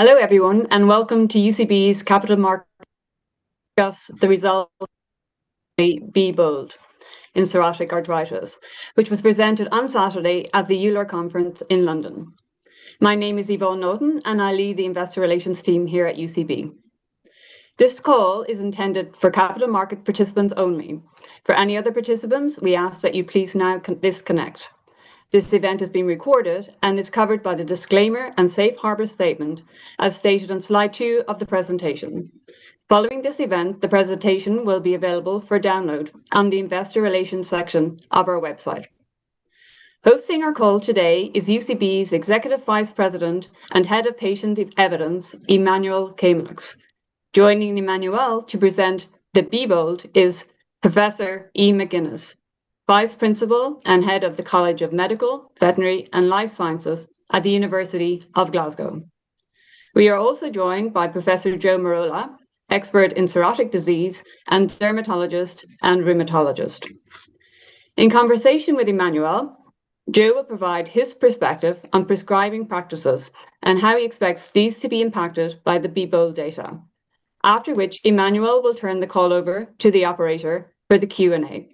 Hello, everyone, and welcome to UCB's capital market discuss the result of the BE BOLD in psoriatic arthritis, which was presented on Saturday at the EULAR conference in London. My name is Yvonne Naughton, and I lead the investor relations team here at UCB. This call is intended for capital market participants only. For any other participants, we ask that you please now disconnect. This event is being recorded and is covered by the disclaimer and safe harbor statement as stated on slide two of the presentation. Following this event, the presentation will be available for download on the Investor Relations section of our website. Hosting our call today is UCB's Executive Vice President and Head of Patient Evidence, Emmanuel Caeymaex. Joining Emmanuel to present the BE BOLD is Professor Iain McInnes, Vice Principal and Head of the College of Medical, Veterinary, and Life Sciences at the University of Glasgow. We are also joined by Professor Joe Merola, expert in psoriatic disease and dermatologist and rheumatologist. In conversation with Emmanuel, Joe will provide his perspective on prescribing practices and how he expects these to be impacted by the BE BOLD data. After which, Emmanuel will turn the call over to the operator for the Q&A.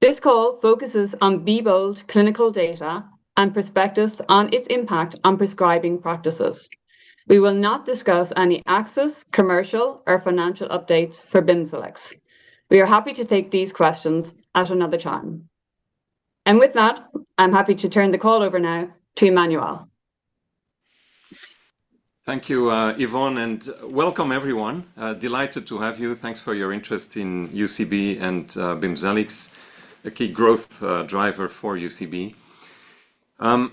This call focuses on BE BOLD clinical data and perspectives on its impact on prescribing practices. We will not discuss any access, commercial, or financial updates for BIMZELX. We are happy to take these questions at another time. With that, I'm happy to turn the call over now to Emmanuel. Thank you, Yvonne, welcome everyone. Delighted to have you. Thanks for your interest in UCB and BIMZELX, a key growth driver for UCB. I'm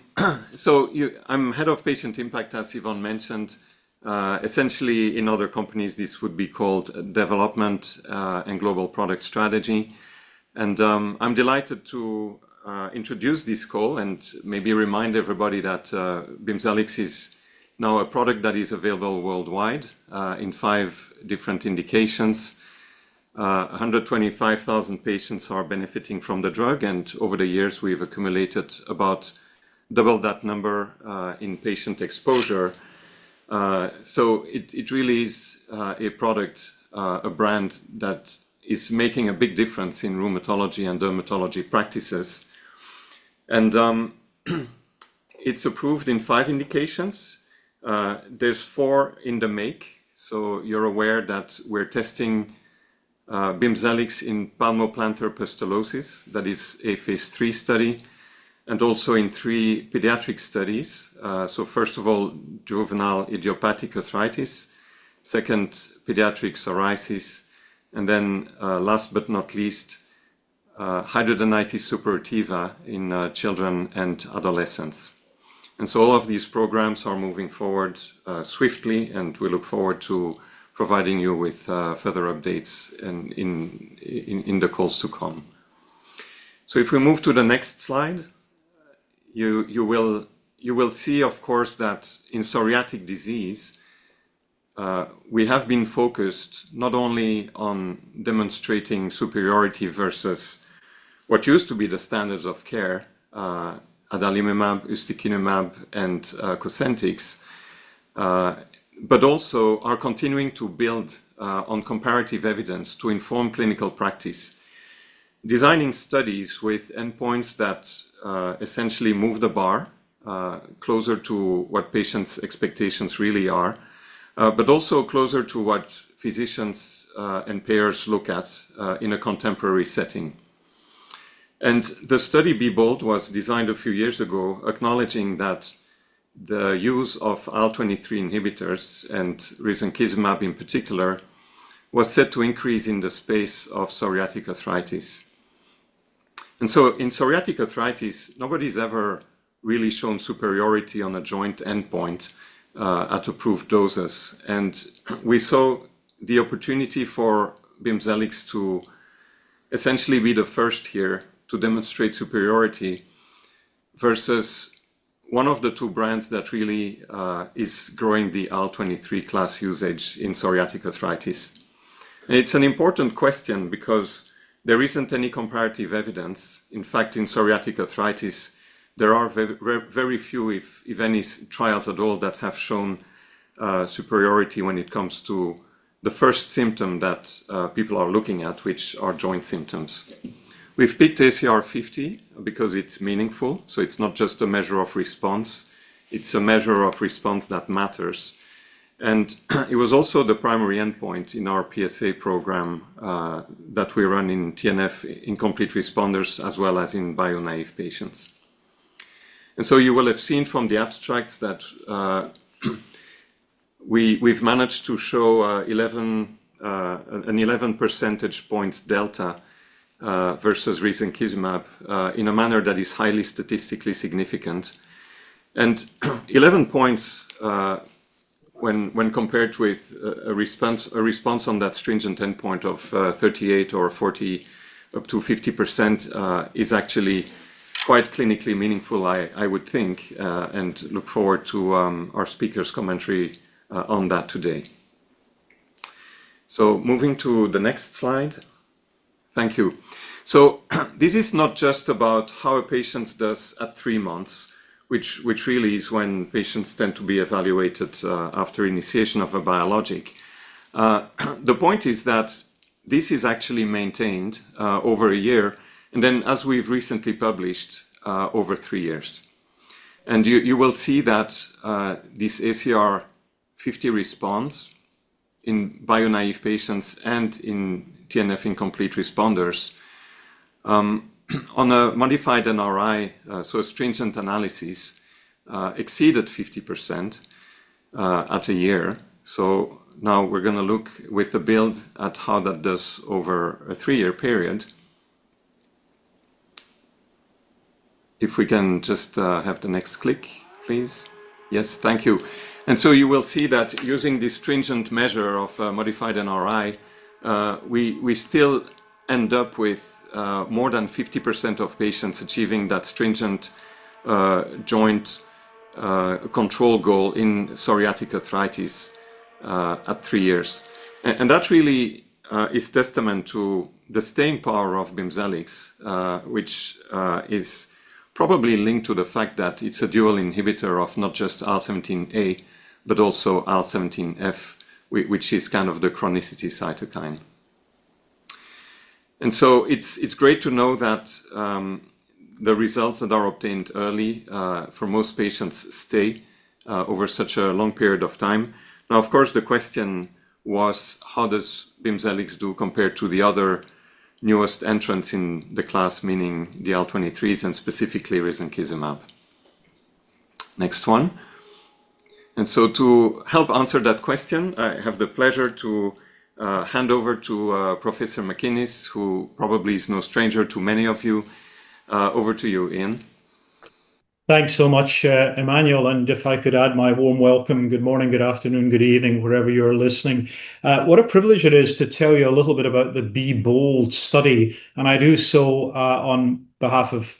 Head of Patient Impact as Yvonne mentioned. Essentially in other companies, this would be called development and global product strategy. I'm delighted to introduce this call and maybe remind everybody that BIMZELX is now a product that is available worldwide, in five different indications. 125,000 patients are benefiting from the drug, and over the years, we've accumulated about double that number in patient exposure. It really is a product, a brand that is making a big difference in rheumatology and dermatology practices. It's approved in five indications. There's four in the make, you're aware that we're testing BIMZELX in palmoplantar pustulosis, that is a phase III study, and also in three pediatric studies. First of all, juvenile idiopathic arthritis, second, pediatric psoriasis, and then, last but not least, hidradenitis suppurativa in children and adolescents. All of these programs are moving forward swiftly, and we look forward to providing you with further updates in the calls to come. If we move to the next slide, you will see, of course, that in psoriatic disease, we have been focused not only on demonstrating superiority versus what used to be the standards of care, adalimumab, ustekinumab, and COSENTYX, but also are continuing to build on comparative evidence to inform clinical practice. Designing studies with endpoints that essentially move the bar closer to what patients' expectations really are, but also closer to what physicians and payers look at in a contemporary setting. The study BE BOLD was designed a few years ago acknowledging that the use of IL-23 inhibitors and risankizumab in particular, was set to increase in the space of psoriatic arthritis. In psoriatic arthritis, nobody's ever really shown superiority on a joint endpoint at approved doses. We saw the opportunity for BIMZELX to essentially be the first here to demonstrate superiority versus one of the two brands that really is growing the IL-23 class usage in psoriatic arthritis. It's an important question because there isn't any comparative evidence. In fact, in psoriatic arthritis, there are very few, if any, trials at all that have shown superiority when it comes to the first symptom that people are looking at, which are joint symptoms. We've picked ACR50 because it's meaningful, so it's not just a measure of response, it's a measure of response that matters. It was also the primary endpoint in our PsA program that we run in TNF, in complete responders, as well as in bio-naive patients. You will have seen from the abstracts that we've managed to show an 11 percentage points delta versus risankizumab in a manner that is highly statistically significant. 11 points, when compared with a response on that stringent endpoint of 38% or 40% up to 50%, is actually quite clinically meaningful, I would think, and look forward to our speaker's commentary on that today. Moving to the next slide. Thank you. This is not just about how a patient does at three months, which really is when patients tend to be evaluated after initiation of a biologic. The point is that this is actually maintained over a year, and then, as we've recently published, over three years. You will see that this ACR50 response in bio-naive patients and in TNF incomplete responders on a modified NRI, a stringent analysis, exceeded 50% at a year. Now we're going to look with the build at how that does over a three-year period. If we can just have the next click, please. Yes, thank you. You will see that using this stringent measure of modified NRI, we still end up with more than 50% of patients achieving that stringent joint control goal in psoriatic arthritis at three years. That really is testament to the staying power of BIMZELX, which is probably linked to the fact that it's a dual inhibitor of not just IL-17A, but also IL-17F, which is kind of the chronicity cytokine. It's great to know that the results that are obtained early for most patients stay over such a long period of time. Now, of course, the question was how does BIMZELX do compared to the other newest entrants in the class, meaning the IL-23s and specifically risankizumab. Next one. To help answer that question, I have the pleasure to hand over to Professor McInnes, who probably is no stranger to many of you. Over to you, Iain. Thanks so much, Emmanuel, if I could add my warm welcome, good morning, good afternoon, good evening, wherever you're listening. What a privilege it is to tell you a little bit about the BE BOLD study, and I do so on behalf of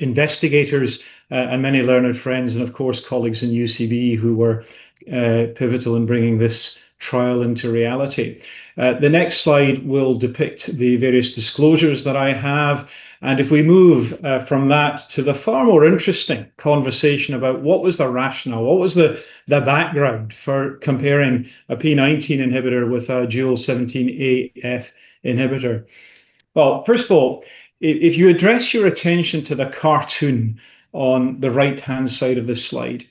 investigators and many learned friends and, of course, colleagues in UCB who were pivotal in bringing this trial into reality. The next slide will depict the various disclosures that I have. If we move from that to the far more interesting conversation about what was the rationale, what was the background for comparing a p19 inhibitor with a dual 17AF inhibitor. First of all, if you address your attention to the cartoon on the right-hand side of this slide,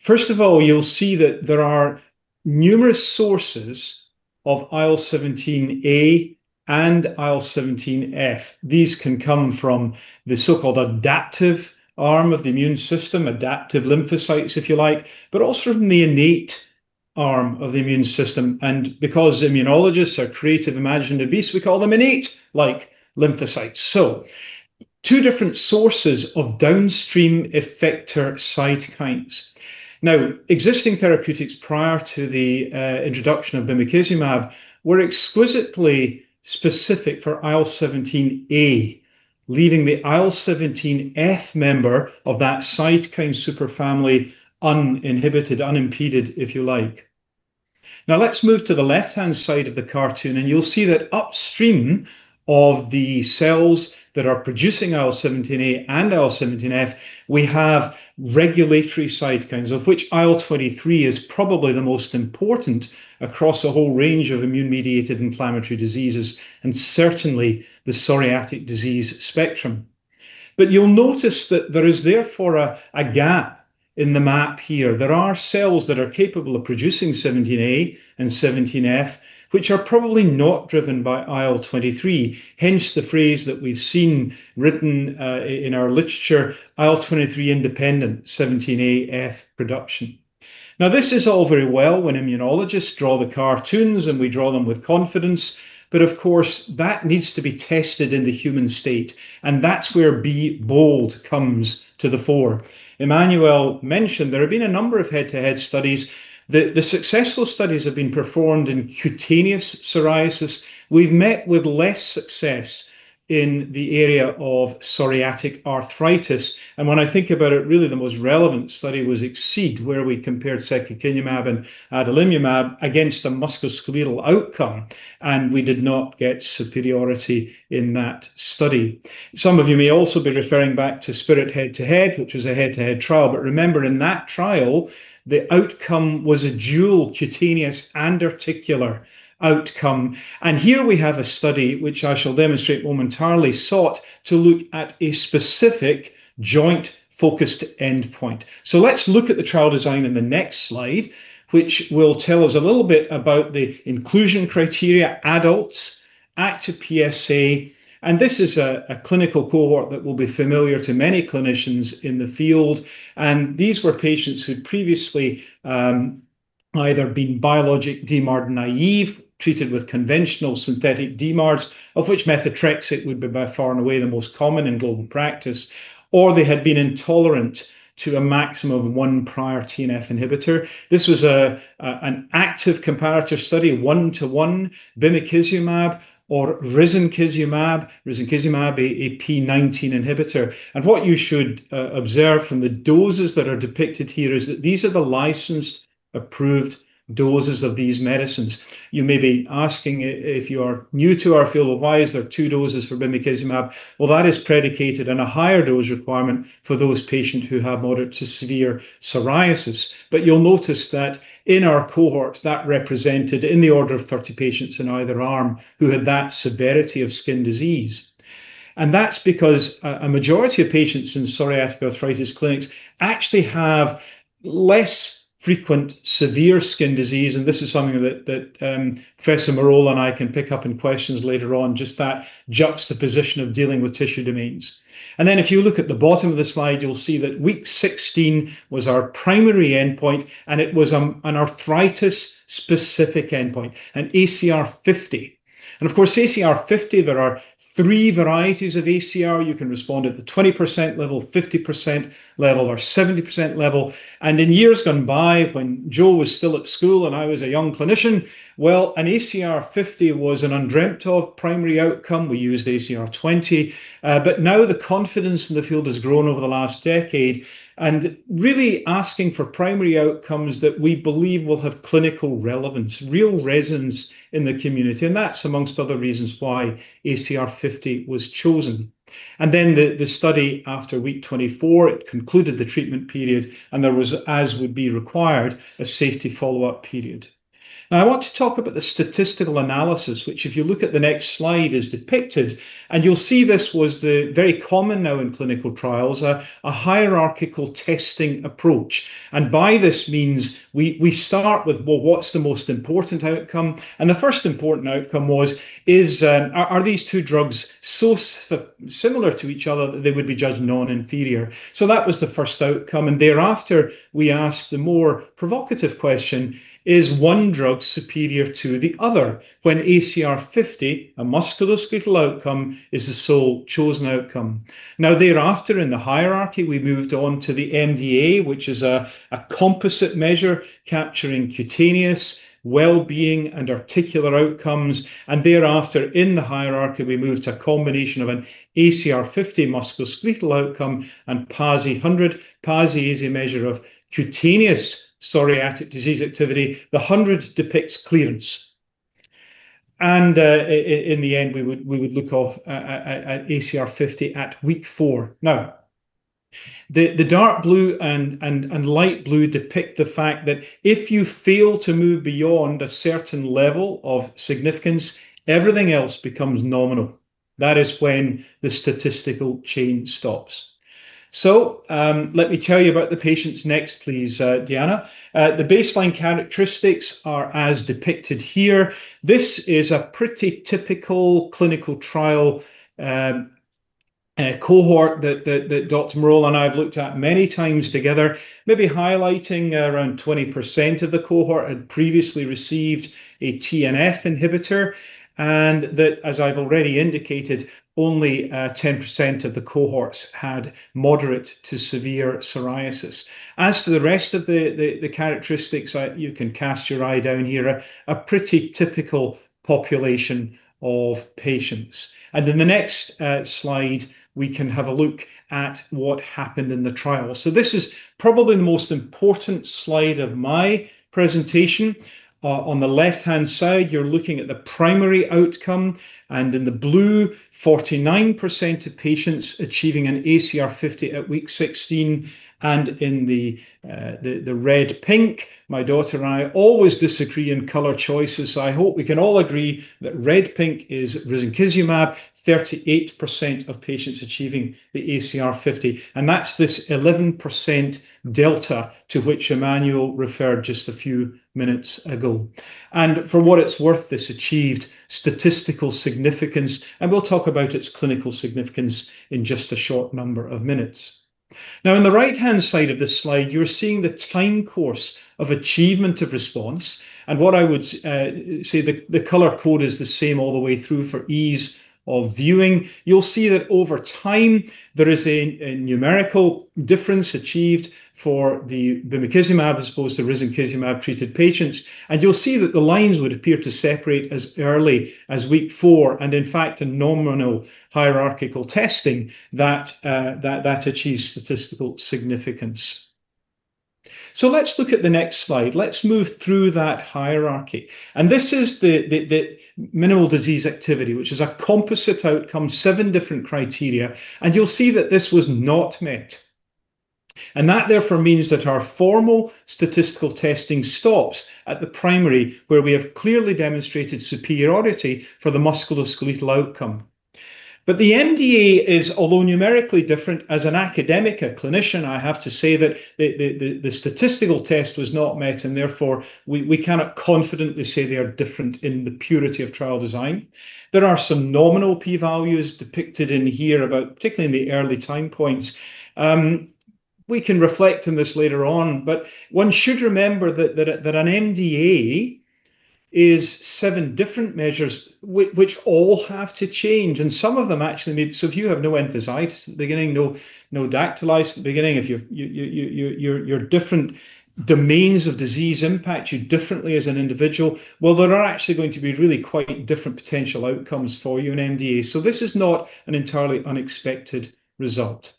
first of all, you'll see that there are numerous sources of IL-17A and IL-17F. These can come from the so-called adaptive arm of the immune system, adaptive lymphocytes, if you like, also from the innate arm of the immune system. Because immunologists are creative, imaginative beasts, we call them innate-like lymphocytes. Two different sources of downstream effector cytokines. Existing therapeutics prior to the introduction of bimekizumab were exquisitely specific for IL-17A, leaving the IL-17F member of that cytokine super family uninhibited, unimpeded, if you like. Let's move to the left-hand side of the cartoon, you'll see that upstream of the cells that are producing IL-17A and IL-17F, we have regulatory cytokines, of which IL-23 is probably the most important across a whole range of immune-mediated inflammatory diseases, and certainly the psoriatic disease spectrum. You'll notice that there is therefore a gap in the map here. There are cells that are capable of producing 17A and 17F, which are probably not driven by IL-23, hence the phrase that we've seen written in our literature, IL-23-independent 17AF production. This is all very well when immunologists draw the cartoons, and we draw them with confidence. Of course, that needs to be tested in the human state, and that's where BE BOLD comes to the fore. Emmanuel mentioned there have been a number of head-to-head studies. The successful studies have been performed in cutaneous psoriasis. We've met with less success in the area of psoriatic arthritis. When I think about it, really the most relevant study was EXCEED, where we compared secukinumab and adalimumab against a musculoskeletal outcome, and we did not get superiority in that study. Some of you may also be referring back to SPIRIT-H2H, which was a head-to-head trial. Remember, in that trial, the outcome was a dual cutaneous and articular outcome. Here we have a study which I shall demonstrate momentarily sought to look at a specific joint-focused endpoint. Let's look at the trial design in the next slide, which will tell us a little bit about the inclusion criteria, adults, active PsA. This is a clinical cohort that will be familiar to many clinicians in the field, and these were patients who'd previously either been biologic DMARD naive, treated with conventional synthetic DMARDs, of which methotrexate would be by far and away the most common in global practice, or they had been intolerant to a maximum of one prior TNF inhibitor. This was an active comparative study, 1:1, bimekizumab or risankizumab. Risankizumab, a p19 inhibitor. What you should observe from the doses that are depicted here is that these are the licensed, approved doses of these medicines. You may be asking if you are new to our field, why is there two doses for bimekizumab? That is predicated on a higher dose requirement for those patients who have moderate to severe psoriasis. You will notice that in our cohorts that represented in the order of 30 patients in either arm who had that severity of skin disease. That is because a majority of patients in psoriatic arthritis clinics actually have less frequent severe skin disease, and this is something that Professor Merola and I can pick up in questions later on, just that juxtaposition of dealing with tissue domains. If you look at the bottom of the slide, you will see that week 16 was our primary endpoint, and it was an arthritis-specific endpoint, an ACR50. Of course, ACR50, there are three varieties of ACR. You can respond at the 20% level, 50% level, or 70% level. In years gone by, when Joe was still at school and I was a young clinician, an ACR50 was an undreamt of primary outcome. We used ACR 20. Now the confidence in the field has grown over the last decade, and really asking for primary outcomes that we believe will have clinical relevance, real resonance in the community. That is amongst other reasons why ACR50 was chosen. The study after week 24, it concluded the treatment period, and there was, as would be required, a safety follow-up period. Now I want to talk about the statistical analysis, which if you look at the next slide, is depicted, and you will see this was the very common now in clinical trials, a hierarchical testing approach. By this means we start with, what is the most important outcome? The first important outcome was, are these two drugs so similar to each other that they would be judged non-inferior? That was the first outcome, thereafter, we asked the more provocative question, is one drug superior to the other when ACR50, a musculoskeletal outcome, is the sole chosen outcome? Thereafter, in the hierarchy, we moved on to the MDA, which is a composite measure capturing cutaneous well-being and articular outcomes. Thereafter, in the hierarchy, we moved to a combination of an ACR50 musculoskeletal outcome and PASI 100. PASI is a measure of cutaneous psoriatic disease activity. The hundred depicts clearance. In the end, we would look off at ACR50 at week four. The dark blue and light blue depict the fact that if you fail to move beyond a certain level of significance, everything else becomes nominal. That is when the statistical chain stops. Let me tell you about the patients next, please, Deanna. The baseline characteristics are as depicted here. This is a pretty typical clinical trial cohort that Dr. Merola and I have looked at many times together, maybe highlighting around 20% of the cohort had previously received a TNF inhibitor, and that, as I have already indicated, only 10% of the cohorts had moderate to severe psoriasis. As to the rest of the characteristics, you can cast your eye down here, a pretty typical population of patients. In the next slide, we can have a look at what happened in the trial. This is probably the most important slide of my presentation. On the left-hand side, you're looking at the primary outcome, and in the blue, 49% of patients achieving an ACR50 at week 16, and in the red-pink, my daughter and I always disagree on color choices, so I hope we can all agree that red-pink is risankizumab, 38% of patients achieving the ACR50. That's this 11% delta to which Emmanuel referred just a few minutes ago. For what it's worth, this achieved statistical significance, and we'll talk about its clinical significance in just a short number of minutes. On the right-hand side of this slide, you're seeing the time course of achievement of response, and what I would say the color code is the same all the way through for ease of viewing. You'll see that over time, there is a numerical difference achieved for the bimekizumab as opposed to risankizumab-treated patients. You'll see that the lines would appear to separate as early as week four, and in fact, a nominal hierarchical testing that achieved statistical significance. Let's look at the next slide. Let's move through that hierarchy. This is the minimal disease activity, which is a composite outcome, seven different criteria. You'll see that this was not met. That therefore means that our formal statistical testing stops at the primary, where we have clearly demonstrated superiority for the musculoskeletal outcome. The MDA is, although numerically different, as an academic, a clinician, I have to say that the statistical test was not met, and therefore, we cannot confidently say they are different in the purity of trial design. There are some nominal P values depicted in here about particularly in the early time points. We can reflect on this later on, but one should remember that an MDA is seven different measures which all have to change. If you have no enthesitis at the beginning, no dactylitis at the beginning, if your different domains of disease impact you differently as an individual, well, there are actually going to be really quite different potential outcomes for you in MDA. This is not an entirely unexpected result.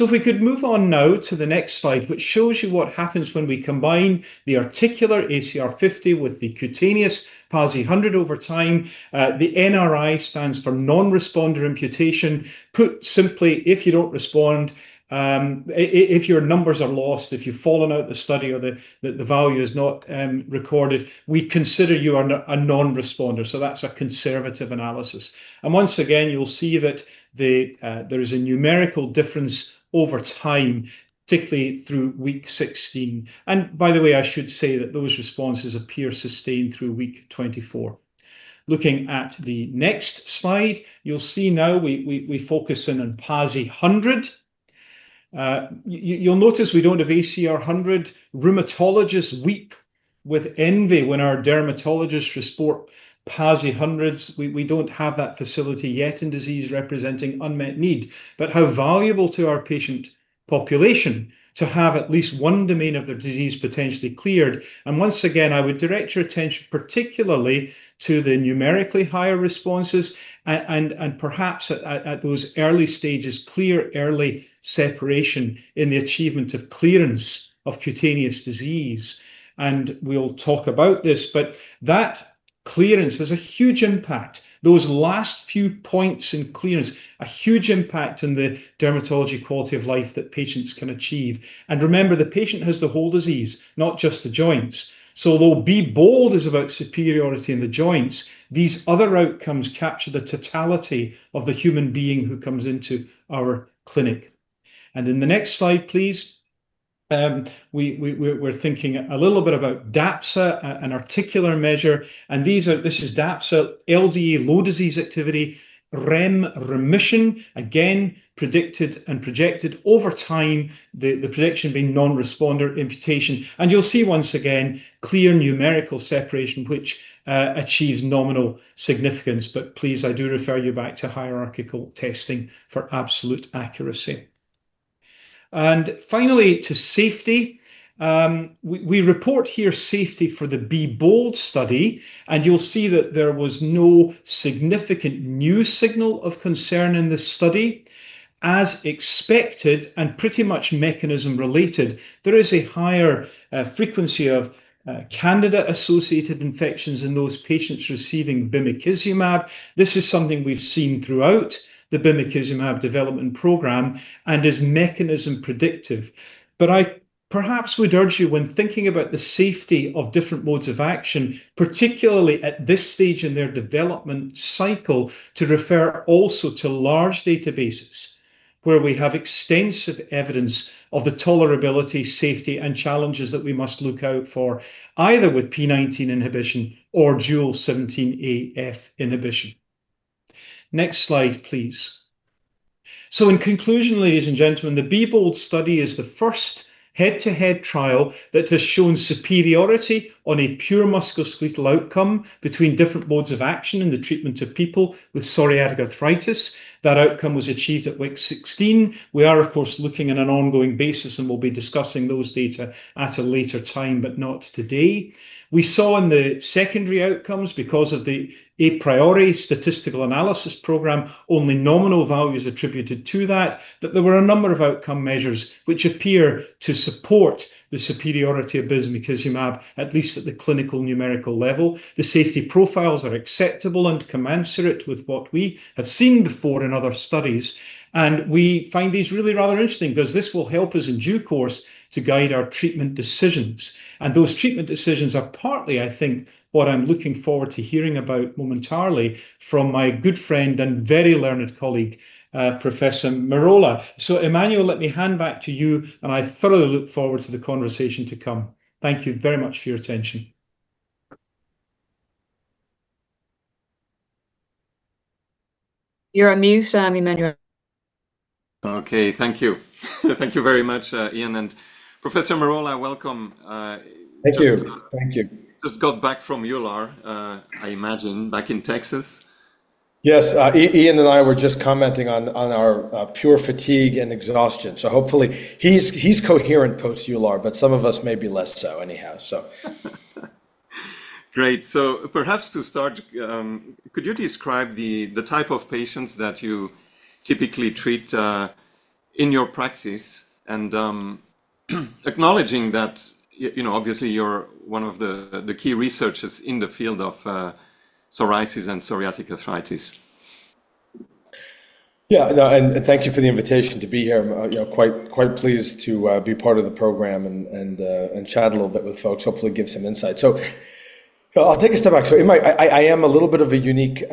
If we could move on now to the next slide, which shows you what happens when we combine the articular ACR50 with the cutaneous PASI 100 over time. The NRI stands for non-responder imputation. Put simply, if you don't respond, if your numbers are lost, if you've fallen out the study or the value is not recorded, we consider you a non-responder. That's a conservative analysis. Once again, you'll see that there is a numerical difference over time, particularly through week 16. By the way, I should say that those responses appear sustained through week 24. Looking at the next slide, you'll see now we focus in on PASI 100. You'll notice we don't have ACR100. Rheumatologists weep with envy when our dermatologists report PASI 100s. We don't have that facility yet in disease representing unmet need, but how valuable to our patient population to have at least one domain of their disease potentially cleared. Once again, I would direct your attention particularly to the numerically higher responses and perhaps at those early stages, clear early separation in the achievement of clearance of cutaneous disease. We'll talk about this, but that clearance has a huge impact. Those last few points in clearance, a huge impact on the dermatology quality of life that patients can achieve. Remember, the patient has the whole disease, not just the joints. Although BE BOLD is about superiority in the joints, these other outcomes capture the totality of the human being who comes into our clinic. In the next slide, please, we're thinking a little bit about DAPSA, an articular measure, and this is DAPSA, LDA, low disease activity, REM, remission, again, predicted and projected over time, the prediction being non-responder imputation. You'll see once again clear numerical separation, which achieves nominal significance. Please, I do refer you back to hierarchical testing for absolute accuracy. Finally, to safety. We report here safety for the BE BOLD study, and you'll see that there was no significant new signal of concern in this study. As expected, and pretty much mechanism-related, there is a higher frequency of candida-associated infections in those patients receiving bimekizumab. This is something we've seen throughout the bimekizumab development program and is mechanism predictive. I perhaps would urge you when thinking about the safety of different modes of action, particularly at this stage in their development cycle, to refer also to large databases where we have extensive evidence of the tolerability, safety, and challenges that we must look out for, either with p19 inhibition or dual 17AF inhibition. Next slide, please. In conclusion, ladies and gentlemen, the BE BOLD study is the first head-to-head trial that has shown superiority on a pure musculoskeletal outcome between different modes of action in the treatment of people with psoriatic arthritis. That outcome was achieved at week 16. We are, of course, looking at an ongoing basis, and we'll be discussing those data at a later time, but not today. We saw in the secondary outcomes because of the a priori statistical analysis program, only nominal values attributed to that. That there were a number of outcome measures which appear to support the superiority of bimekizumab, at least at the clinical numerical level. The safety profiles are acceptable and commensurate with what we have seen before in other studies, and we find these really rather interesting because this will help us in due course to guide our treatment decisions. Those treatment decisions are partly, I think, what I'm looking forward to hearing about momentarily from my good friend and very learned colleague, Professor Merola. Emmanuel, let me hand back to you, and I thoroughly look forward to the conversation to come. Thank you very much for your attention. You're on mute, Emmanuel. Okay. Thank you. Thank you very much, Iain and Professor Merola. Welcome. Thank you. Just got back from EULAR, I imagine back in Texas. Yes. Iain and I were just commenting on our pure fatigue and exhaustion. Hopefully he's coherent post-EULAR, some of us may be less so anyhow. Great. Perhaps to start, could you describe the type of patients that you typically treat in your practice and acknowledging that obviously you're one of the key researchers in the field of psoriasis and psoriatic arthritis. Yeah. No, thank you for the invitation to be here. I'm quite pleased to be part of the program and chat a little bit with folks. Hopefully, I can give some insight. I'll take a step back. I am a little bit of a unique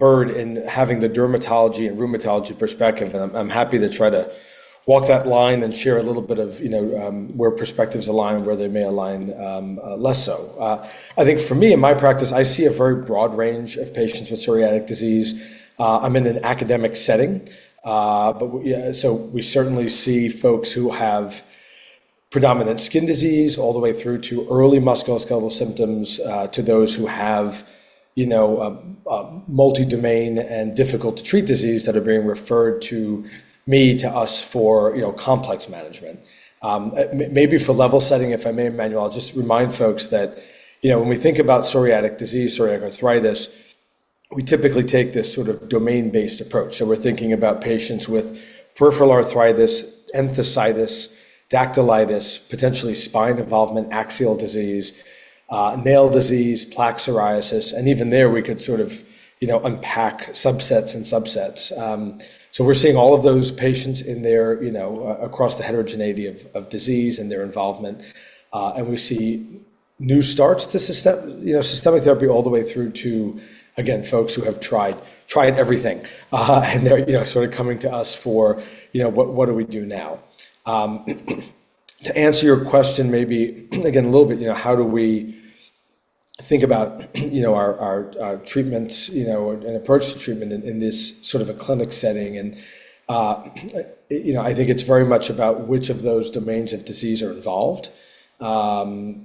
bird in having the dermatology and rheumatology perspective, and I'm happy to try to walk that line and share a little bit of where perspectives align and where they may align less so. I think for me, in my practice, I see a very broad range of patients with psoriatic disease. I'm in an academic setting, we certainly see folks who have predominant skin disease all the way through to early musculoskeletal symptoms, to those who have multi-domain and difficult-to-treat disease that are being referred to me, to us for complex management. Maybe for level setting, if I may, Emmanuel, I'll just remind folks that when we think about psoriatic disease, psoriatic arthritis, we typically take this sort of domain-based approach. We're thinking about patients with peripheral arthritis, enthesitis, dactylitis, potentially spine involvement, axial disease, nail disease, plaque psoriasis, even there we could sort of unpack subsets and subsets. We're seeing all of those patients across the heterogeneity of disease and their involvement. We see new starts to systemic therapy all the way through to, again, folks who have tried everything. They're sort of coming to us for what do we do now? To answer your question maybe, again, a little bit, how do we think about our treatments and approach to treatment in this sort of a clinic setting? I think it's very much about which of those domains of disease are involved. Every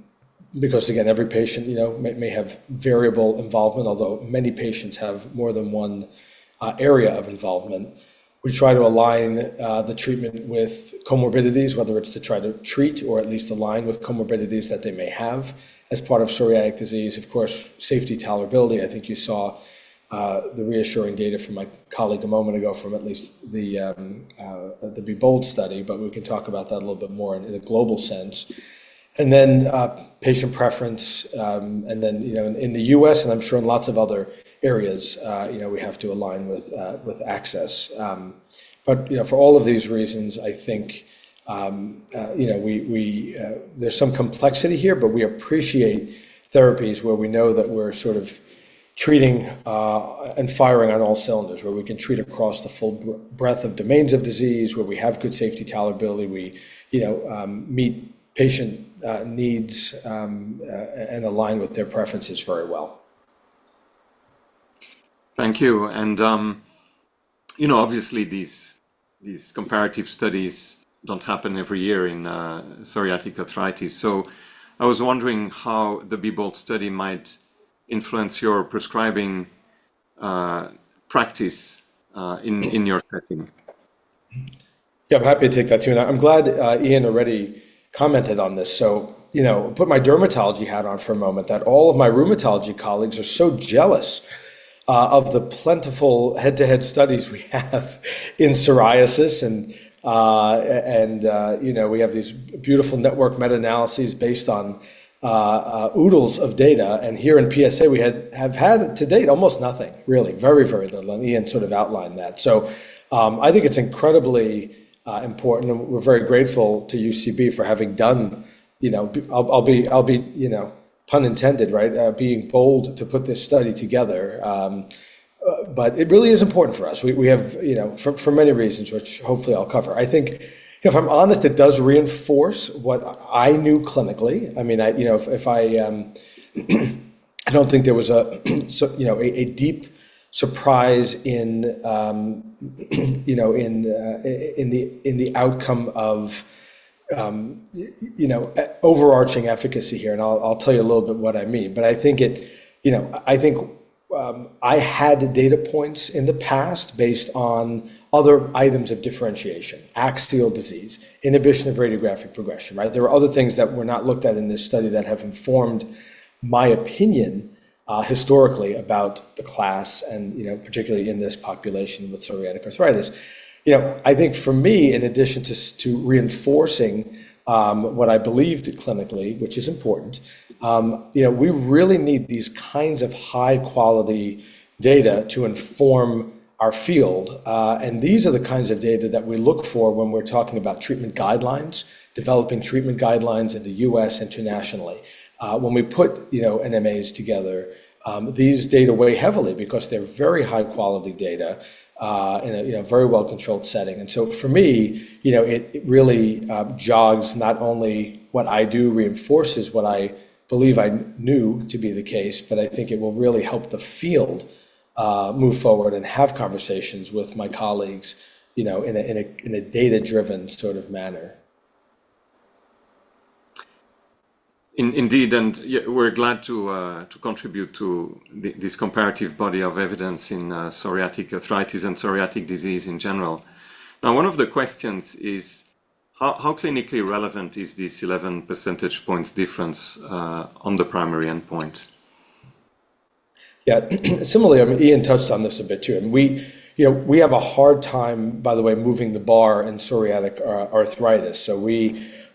patient may have variable involvement, although many patients have more than one area of involvement. We try to align the treatment with comorbidities, whether it's to try to treat or at least align with comorbidities that they may have as part of psoriatic disease. Of course, safety tolerability. I think you saw the reassuring data from my colleague a moment ago from at least the BE BOLD study, we can talk about that a little bit more in a global sense. Patient preference. In the U.S., and I'm sure in lots of other areas, we have to align with access. For all of these reasons, I think there's some complexity here, but we appreciate therapies where we know that we're sort of treating and firing on all cylinders. Where we can treat across the full breadth of domains of disease, where we have good safety tolerability, we meet patient needs and align with their preferences very well. Thank you. Obviously these comparative studies don't happen every year in psoriatic arthritis. I was wondering how the BE BOLD study might influence your prescribing practice in your setting. Yeah. I'm happy to take that too, and I'm glad Iain already commented on this. Put my dermatology hat on for a moment, that all of my rheumatology colleagues are so jealous of the plentiful head-to-head studies we have in psoriasis, and we have these beautiful network meta-analyses based on oodles of data, and here in PsA, we have had to date almost nothing, really. Very, very little, and Iain sort of outlined that. I think it's incredibly important, and we're very grateful to UCB for having done, pun intended, being bold to put this study together. It really is important for us. We have for many reasons, which hopefully I'll cover. I think if I'm honest, it does reinforce what I knew clinically. I don't think there was a deep surprise in the outcome of overarching efficacy here, and I'll tell you a little bit what I mean. I think I had the data points in the past based on other items of differentiation, axial disease, inhibition of radiographic progression, right? There were other things that were not looked at in this study that have informed my opinion historically about the class and particularly in this population with psoriatic arthritis. I think for me, in addition to reinforcing what I believed clinically, which is important, we really need these kinds of high-quality data to inform our field. These are the kinds of data that we look for when we're talking about treatment guidelines, developing treatment guidelines in the U.S., internationally. When we put NMA together, these data weigh heavily because they're very high-quality data in a very well-controlled setting. For me, it really jogs not only what I do, reinforces what I believe I knew to be the case, but I think it will really help the field move forward and have conversations with my colleagues in a data-driven sort of manner. Indeed, we're glad to contribute to this comparative body of evidence in psoriatic arthritis and psoriatic disease in general. Now, one of the questions is: How clinically relevant is this 11 percentage points difference on the primary endpoint? Yeah. Similarly, Iain touched on this a bit too, we have a hard time, by the way, moving the bar in psoriatic arthritis.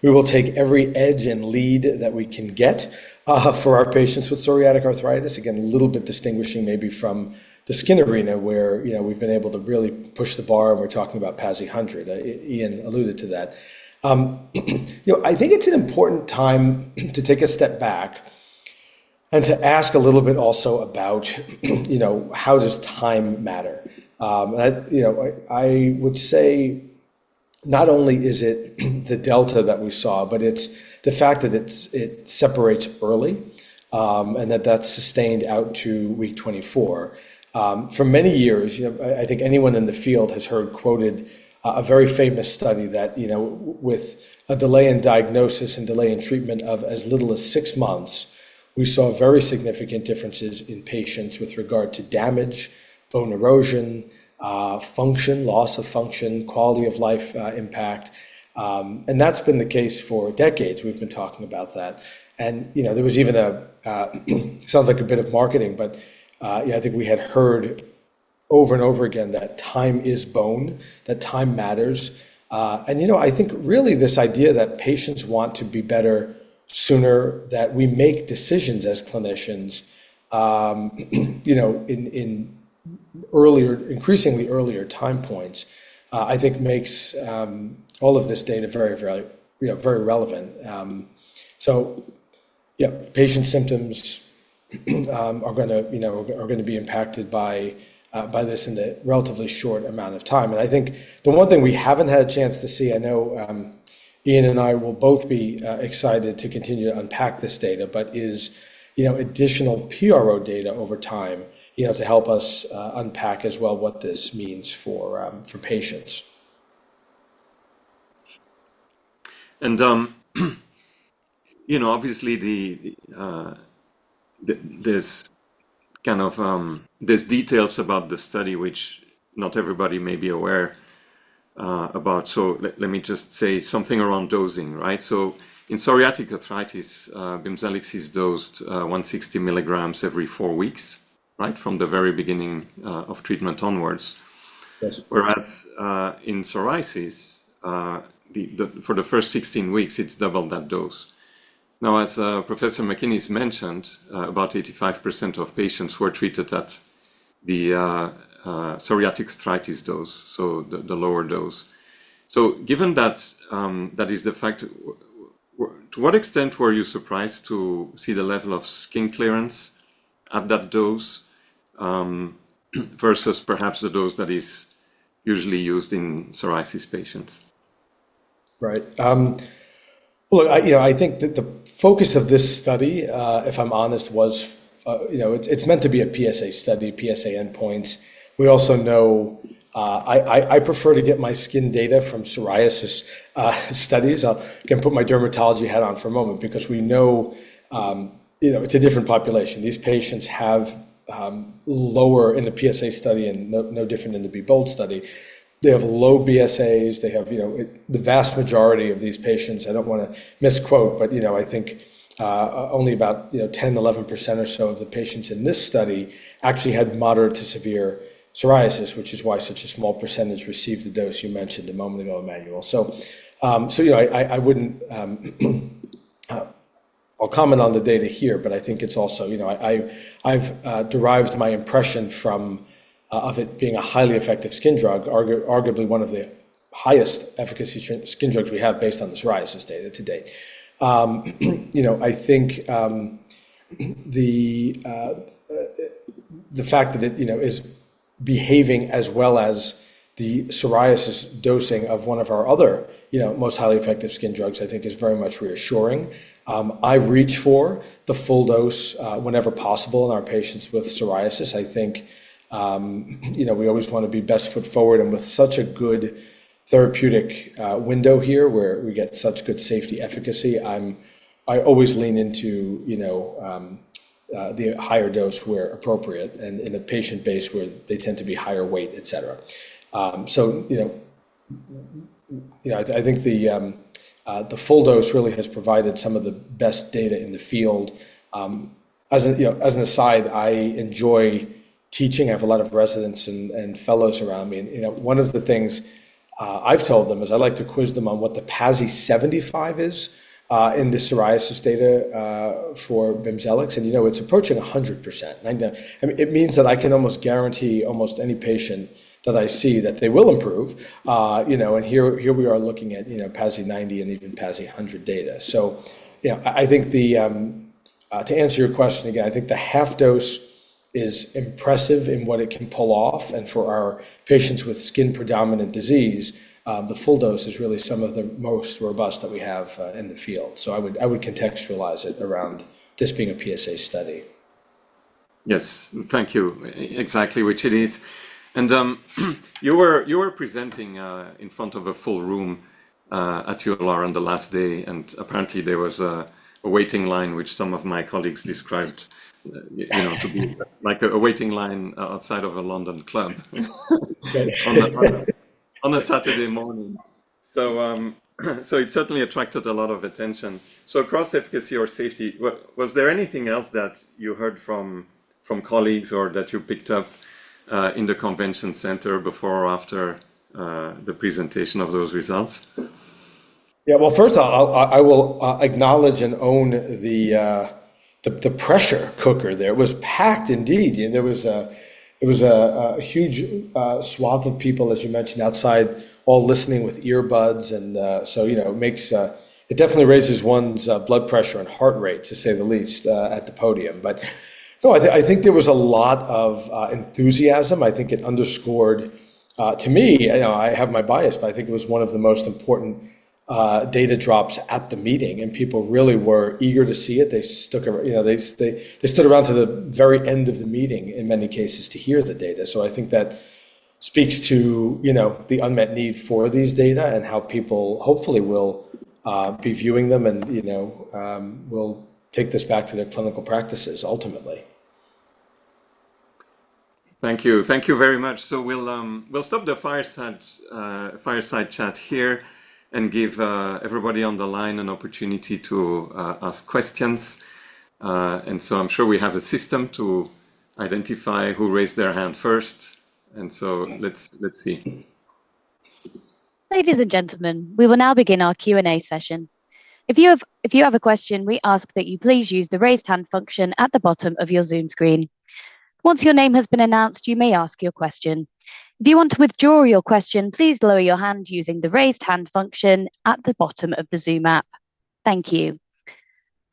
We will take every edge and lead that we can get for our patients with psoriatic arthritis. Again, a little bit distinguishing maybe from the skin arena where we've been able to really push the bar and we're talking about PASI 100. Iain alluded to that. I think it's an important time to take a step back and to ask a little bit also about how does time matter? I would say, not only is it the delta that we saw, but it's the fact that it separates early, and that's sustained out to week 24. For many years, I think anyone in the field has heard quoted a very famous study that with a delay in diagnosis and delay in treatment of as little as six months, we saw very significant differences in patients with regard to damage, bone erosion, function, loss of function, quality of life impact. That's been the case for decades. We've been talking about that. There was even a, sounds like a bit of marketing, but I think we had heard over and over again that time is bone, that time matters. I think really this idea that patients want to be better sooner, that we make decisions as clinicians, in increasingly earlier time points, I think makes all of this data very relevant. Yeah, patient symptoms are going to be impacted by this in a relatively short amount of time. I think the one thing we haven't had a chance to see, I know Iain and I will both be excited to continue to unpack this data, but is additional PRO data over time to help us unpack as well what this means for patients. Obviously, there's details about the study which not everybody may be aware about. Let me just say something around dosing. In psoriatic arthritis, BIMZELX is dosed 160 mg every four weeks from the very beginning of treatment onwards. Yes. Whereas in psoriasis, for the first 16 weeks, it's double that dose. Now, as Professor McInnes mentioned, about 85% of patients were treated at the psoriatic arthritis dose, so the lower dose. Given that is the fact, to what extent were you surprised to see the level of skin clearance at that dose versus perhaps the dose that is usually used in psoriasis patients? I think that the focus of this study, if I'm honest, it's meant to be a PsA study, PsA endpoint. I prefer to get my skin data from psoriasis studies. I can put my dermatology hat on for a moment because we know it's a different population. These patients have lower in the PsA study and no different than the BE BOLD study. They have low BSAs. The vast majority of these patients, I don't want to misquote, but I think only about 10%-11% or so of the patients in this study actually had moderate to severe psoriasis, which is why such a small percentage received the dose you mentioned a moment ago, Emmanuel. I'll comment on the data here, but I've derived my impression of it being a highly effective skin drug, arguably one of the highest efficacy skin drugs we have based on the psoriasis data to date. The fact that it is behaving as well as the psoriasis dosing of one of our other most highly effective skin drugs is very much reassuring. I reach for the full dose whenever possible in our patients with psoriasis. We always want to be best foot forward and with such a good therapeutic window here where we get such good safety efficacy, I always lean into the higher dose where appropriate and in a patient base where they tend to be higher weight, et cetera. The full dose really has provided some of the best data in the field. As an aside, I enjoy teaching. I have a lot of residents and fellows around me, and one of the things I've told them is I like to quiz them on what the PASI 75 is in the psoriasis data for BIMZELX, and it's approaching 100%. It means that I can almost guarantee almost any patient that I see that they will improve. Here we are looking at PASI 90 and even PASI 100 data. To answer your question again, the half dose is impressive in what it can pull off. For our patients with skin-predominant disease, the full dose is really some of the most robust that we have in the field. I would contextualize it around this being a PsA study. Yes. Thank you. Exactly which it is. You were presenting in front of a full room at EULAR on the last day, and apparently there was a waiting line, which some of my colleagues described to be like a waiting line outside of a London club on a Saturday morning. It certainly attracted a lot of attention. Across efficacy or safety, was there anything else that you heard from colleagues or that you picked up in the convention center before or after the presentation of those results? Yeah. First, I will acknowledge and own the pressure cooker there. It was packed indeed. It was a huge swath of people, as you mentioned, outside, all listening with earbuds. It definitely raises one's blood pressure and heart rate, to say the least, at the podium. No, I think there was a lot of enthusiasm. I think it underscored to me, I have my bias, but I think it was one of the most important data drops at the meeting. People really were eager to see it. They stood around to the very end of the meeting, in many cases, to hear the data. I think that speaks to the unmet need for these data and how people hopefully will be viewing them and will take this back to their clinical practices ultimately. Thank you. Thank you very much. We'll stop the fireside chat here and give everybody on the line an opportunity to ask questions. I'm sure we have a system to identify who raised their hand first. Let's see. Ladies and gentlemen, we will now begin our Q&A session. If you have a question, we ask that you please use the raise hand function at the bottom of your Zoom screen. Once your name has been announced, you may ask your question. If you want to withdraw your question, please lower your hand using the raise hand function at the bottom of the Zoom app. Thank you.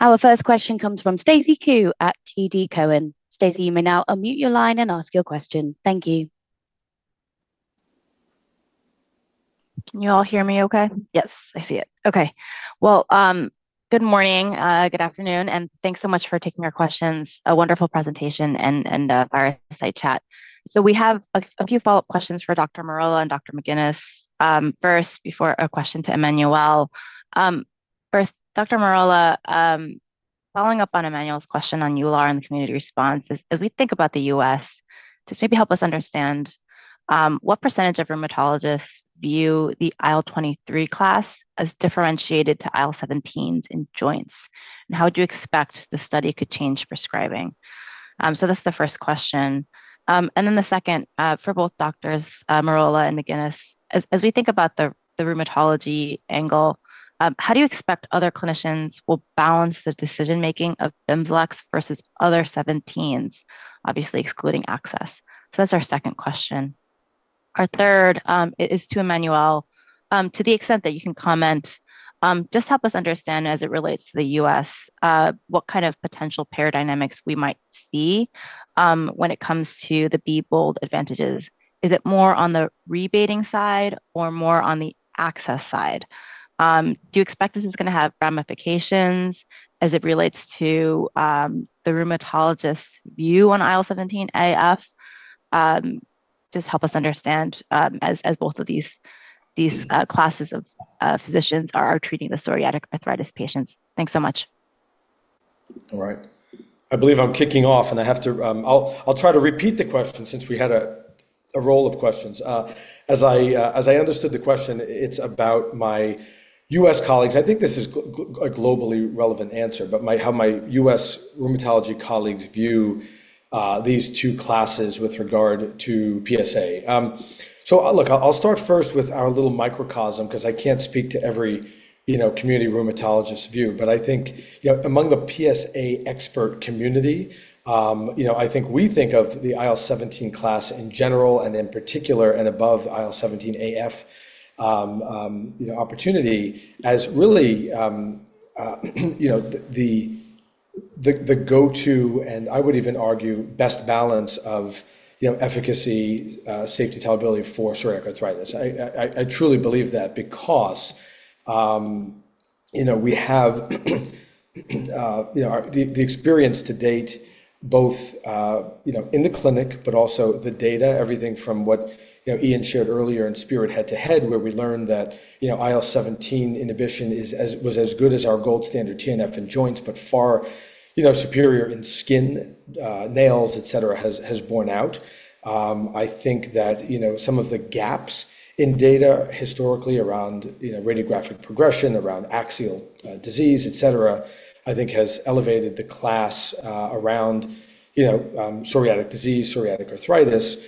Our first question comes from Stacy Ku at TD Cowen. Stacy, you may now unmute your line and ask your question. Thank you. Can you all hear me okay? Yes, I see it. Good morning, good afternoon, thanks so much for taking our questions. A wonderful presentation and fireside chat. We have a few follow-up questions for Dr. Merola and Dr. McInnes first, before a question to Emmanuel. First, Dr. Merola, following up on Emmanuel's question on EULAR and the community response is, as we think about the U.S., just maybe help us understand what percentage of rheumatologists view the IL-23 class as differentiated to IL-17s in joints, and how do you expect the study could change prescribing? That's the first question. Then the second, for both Doctors Merola and McInnes, as we think about the rheumatology angle, how do you expect other clinicians will balance the decision-making of BIMZELX versus other 17s, obviously excluding access? That's our second question. Our third is to Emmanuel. To the extent that you can comment, just help us understand as it relates to the U.S., what kind of potential paradynamics we might see when it comes to the BE BOLD advantages. Is it more on the rebating side or more on the access side? Do you expect this is going to have ramifications as it relates to the rheumatologist's view on IL-17AF? Just help us understand as both of these classes of physicians are treating the psoriatic arthritis patients. Thanks so much. All right. I believe I'm kicking off, I'll try to repeat the question since we had a roll of questions. As I understood the question, it's about my U.S. colleagues. I think this is a globally relevant answer, but how my U.S. rheumatology colleagues view these two classes with regard to PsA. Look, I'll start first with our little microcosm, because I can't speak to every community rheumatologist's view. But I think among the PsA expert community, I think we think of the IL-17 class in general and in particular, and above IL-17AF opportunity as really, the go-to, and I would even argue, best balance of efficacy, safety, tolerability for psoriatic arthritis. I truly believe that because we have the experience to date, both in the clinic, but also the data, everything from what Iain shared earlier in SPIRIT-H2H, where we learned that IL-17 inhibition was as good as our gold standard TNF in joints, but far superior in skin, nails, et cetera, has borne out. I think that some of the gaps in data historically around radiographic progression, around axial disease, et cetera, I think has elevated the class around psoriatic disease, psoriatic arthritis.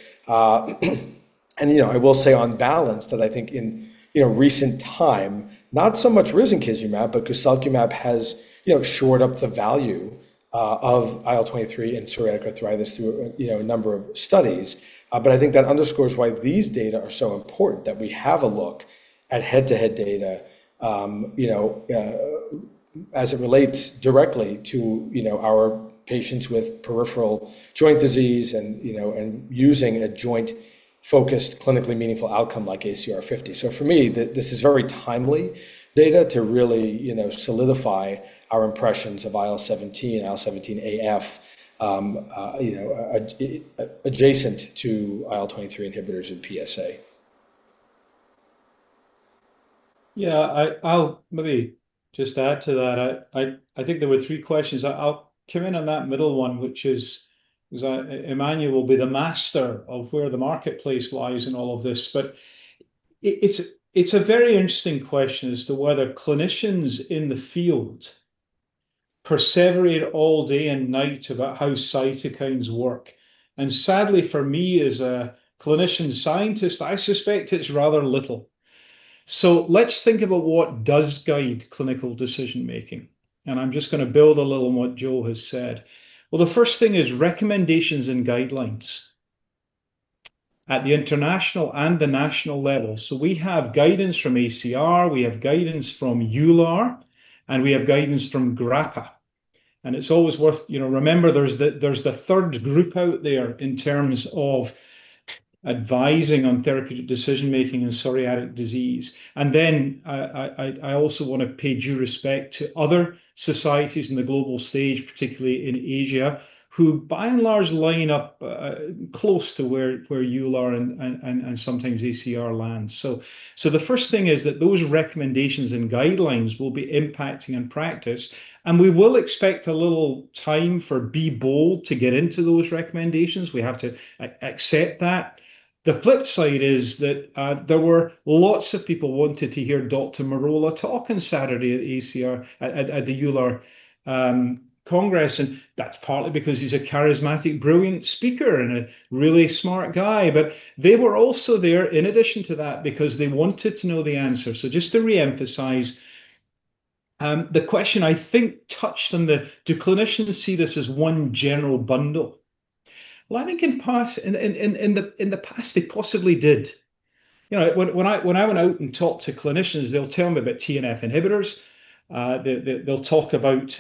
I will say on balance that I think in recent time, not so much risankizumab, but guselkumab has shored up the value of IL-23 in psoriatic arthritis through a number of studies. I think that underscores why these data are so important that we have a look at head-to-head data as it relates directly to our patients with peripheral joint disease and using a joint-focused, clinically meaningful outcome like ACR50. For me, this is very timely data to really solidify our impressions of IL-17, IL-17AF adjacent to IL-23 inhibitors in PsA. Yeah. I'll maybe just add to that. I think there were three questions. I'll come in on that middle one, which is, Emmanuel will be the master of where the marketplace lies in all of this. It's a very interesting question as to whether clinicians in the field perseverate all day and night about how cytokines work, and sadly for me, as a clinician scientist, I suspect it's rather little. Let's think about what does guide clinical decision-making, and I'm just going to build a little on what Joe has said. The first thing is recommendations and guidelines at the international and the national level. We have guidance from ACR, we have guidance from EULAR, and we have guidance from GRAPPA. Remember there's the third group out there in terms of advising on therapeutic decision-making in psoriatic disease. I also want to pay due respect to other societies in the global stage, particularly in Asia, who by and large line up close to where EULAR and sometimes ACR land. The first thing is that those recommendations and guidelines will be impacting in practice, and we will expect a little time for BE BOLD to get into those recommendations. We have to accept that. The flip side is that there were lots of people wanted to hear Dr. Merola talk on Saturday at the EULAR Congress, and that's partly because he's a charismatic, brilliant speaker and a really smart guy. They were also there in addition to that because they wanted to know the answer. Just to reemphasize, the question I think touched on the, do clinicians see this as one general bundle? I think in the past they possibly did. When I went out and talked to clinicians, they'll tell me about TNF inhibitors. They'll talk about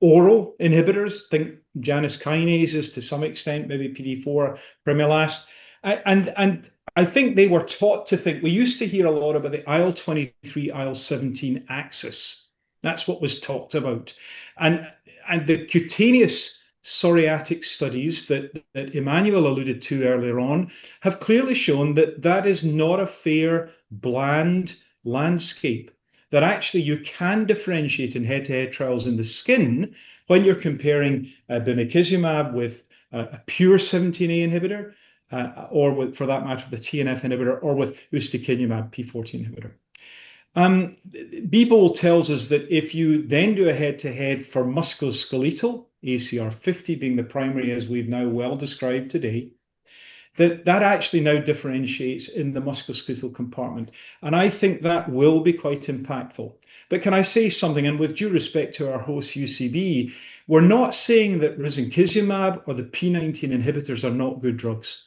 oral inhibitors, think Janus kinases to some extent, maybe PDE4, apremilast. I think they were taught to think. We used to hear a lot about the IL-23, IL-17 axis. That's what was talked about. The cutaneous psoriatic studies that Emmanuel alluded to earlier on have clearly shown that that is not a fair, bland landscape. That actually you can differentiate in head-to-head trials in the skin when you're comparing bimekizumab with a pure 17A inhibitor, or for that matter, the TNF inhibitor or with ustekinumab p40 inhibitor. BE BOLD tells us that if you then do a head-to-head for musculoskeletal, ACR50 being the primary as we've now well described today, that that actually now differentiates in the musculoskeletal compartment. I think that will be quite impactful. Can I say something? With due respect to our host, UCB, we're not saying that risankizumab or the p19 inhibitors are not good drugs.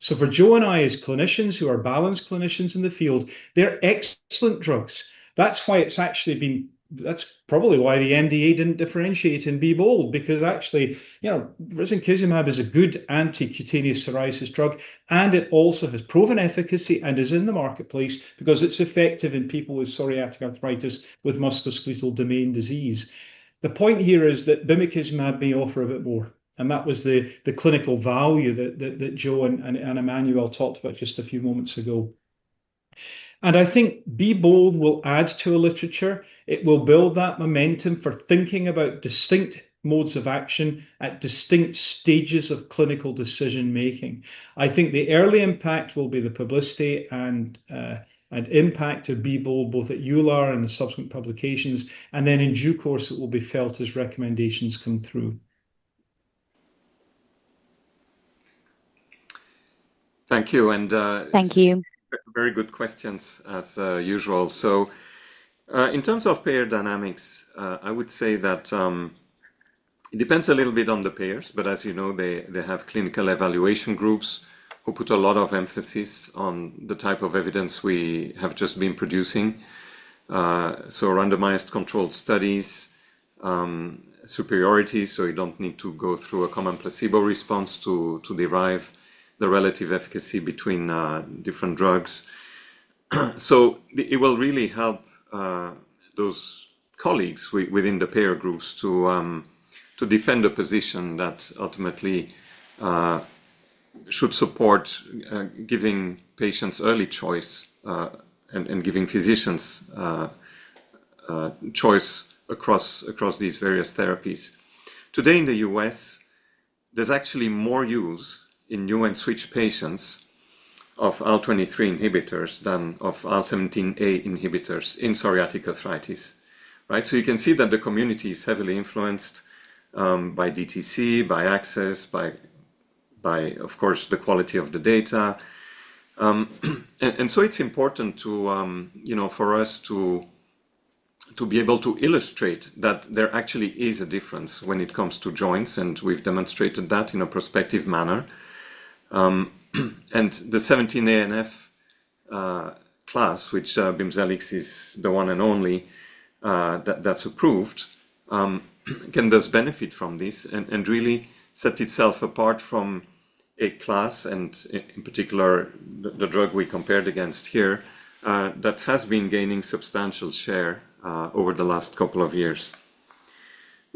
For Joe and I as clinicians who are balanced clinicians in the field, they're excellent drugs. That's probably why the MDA didn't differentiate in BE BOLD because actually, risankizumab is a good anti-cutaneous psoriasis drug, and it also has proven efficacy and is in the marketplace because it's effective in people with psoriatic arthritis with musculoskeletal domain disease. The point here is that bimekizumab may offer a bit more, and that was the clinical value that Joe and Emmanuel talked about just a few moments ago. I think BE BOLD will add to a literature. It will build that momentum for thinking about distinct modes of action at distinct stages of clinical decision-making. I think the early impact will be the publicity and impact of BE BOLD, both at EULAR and the subsequent publications. Then in due course, it will be felt as recommendations come through. Thank you. Thank you. Very good questions as usual. In terms of payer dynamics, I would say that it depends a little bit on the payers, but as you know, they have clinical evaluation groups who put a lot of emphasis on the type of evidence we have just been producing. Randomized controlled studies, superiority, so you don't need to go through a common placebo response to derive the relative efficacy between different drugs. It will really help those colleagues within the payer groups to defend a position that ultimately should support giving patients early choice, and giving physicians choice across these various therapies. Today in the U.S., there's actually more use in new and switch patients of IL-23 inhibitors than of IL-17A inhibitors in psoriatic arthritis. Right? You can see that the community is heavily influenced by DTC, by access, by, of course, the quality of the data. It's important for us to be able to illustrate that there actually is a difference when it comes to joints, and we've demonstrated that in a prospective manner. The IL-17AF class, which BIMZELX is the one and only that's approved, can thus benefit from this and really set itself apart from a class, and in particular, the drug we compared against here, that has been gaining substantial share over the last couple of years.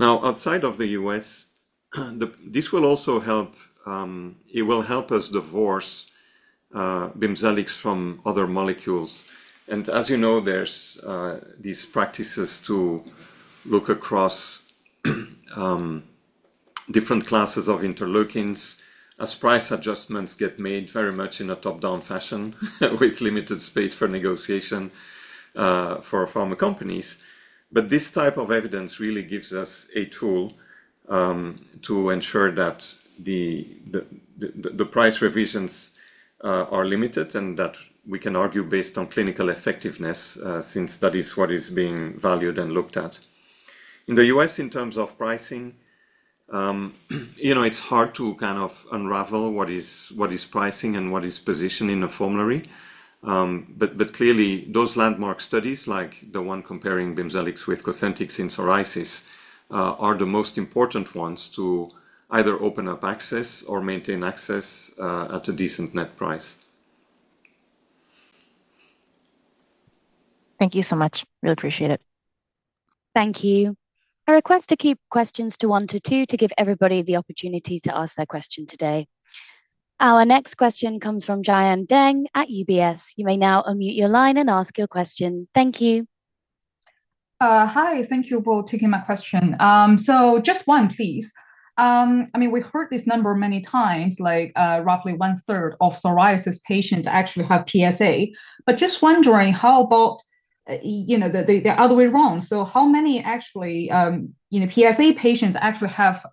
Outside of the U.S., this will also help us divorce BIMZELX from other molecules. As you know, there's these practices to look across different classes of interleukins as price adjustments get made very much in a top-down fashion with limited space for negotiation for pharma companies. This type of evidence really gives us a tool to ensure that the price revisions are limited and that we can argue based on clinical effectiveness, since that is what is being valued and looked at. In the U.S., in terms of pricing. It's hard to unravel what is pricing and what is position in a formulary. Clearly, those landmark studies, like the one comparing BIMZELX with COSENTYX in psoriasis, are the most important ones to either open up access or maintain access at a decent net price. Thank you so much. Really appreciate it. Thank you. I request to keep questions to one to two to give everybody the opportunity to ask their question today. Our next question comes from Xian Deng at UBS. You may now unmute your line and ask your question. Thank you. Hi. Thank you both for taking my question. Just one, please. We've heard this number many times, roughly one third of psoriasis patients actually have PsA, just wondering how about the other way around. How many PsA patients actually have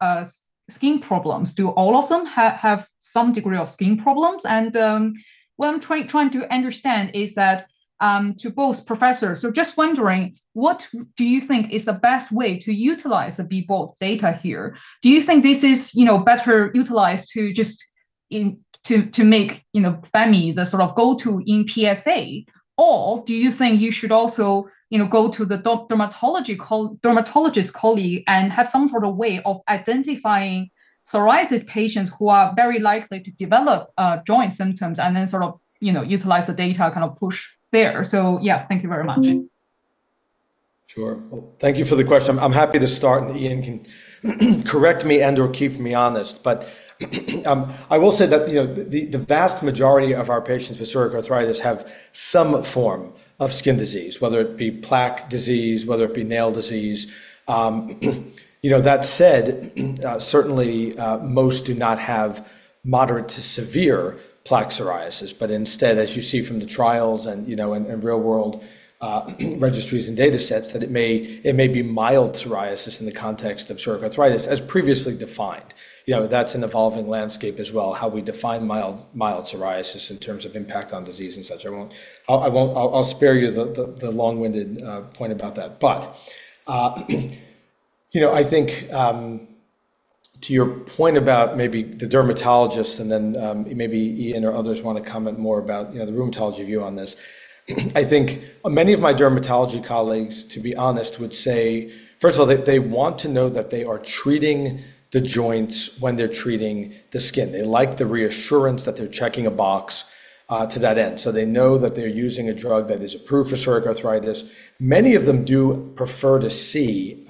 skin problems? Do all of them have some degree of skin problems? What I'm trying to understand is that, to both professors, just wondering, what do you think is the best way to utilize the BE BOLD data here? Do you think this is better utilized to make bimekizumab the go-to in PsA? Do you think you should also go to the dermatologist colleague and have some sort of way of identifying psoriasis patients who are very likely to develop joint symptoms and then utilize the data, push there? Yeah. Thank you very much. Sure. Thank you for the question. I'm happy to start, Iain can correct me and/or keep me honest. I will say that the vast majority of our patients with psoriatic arthritis have some form of skin disease, whether it be plaque disease, whether it be nail disease. That said, certainly most do not have moderate to severe plaque psoriasis, but instead, as you see from the trials and in real-world registries and data sets, that it may be mild psoriasis in the context of psoriatic arthritis, as previously defined. That's an evolving landscape as well, how we define mild psoriasis in terms of impact on disease and such. I'll spare you the long-winded point about that. I think to your point about maybe the dermatologists and then maybe Iain or others want to comment more about the rheumatology view on this. I think many of my dermatology colleagues, to be honest, would say, first of all, they want to know that they are treating the joints when they're treating the skin. They like the reassurance that they're checking a box to that end. They know that they're using a drug that is approved for psoriatic arthritis. Many of them do prefer to see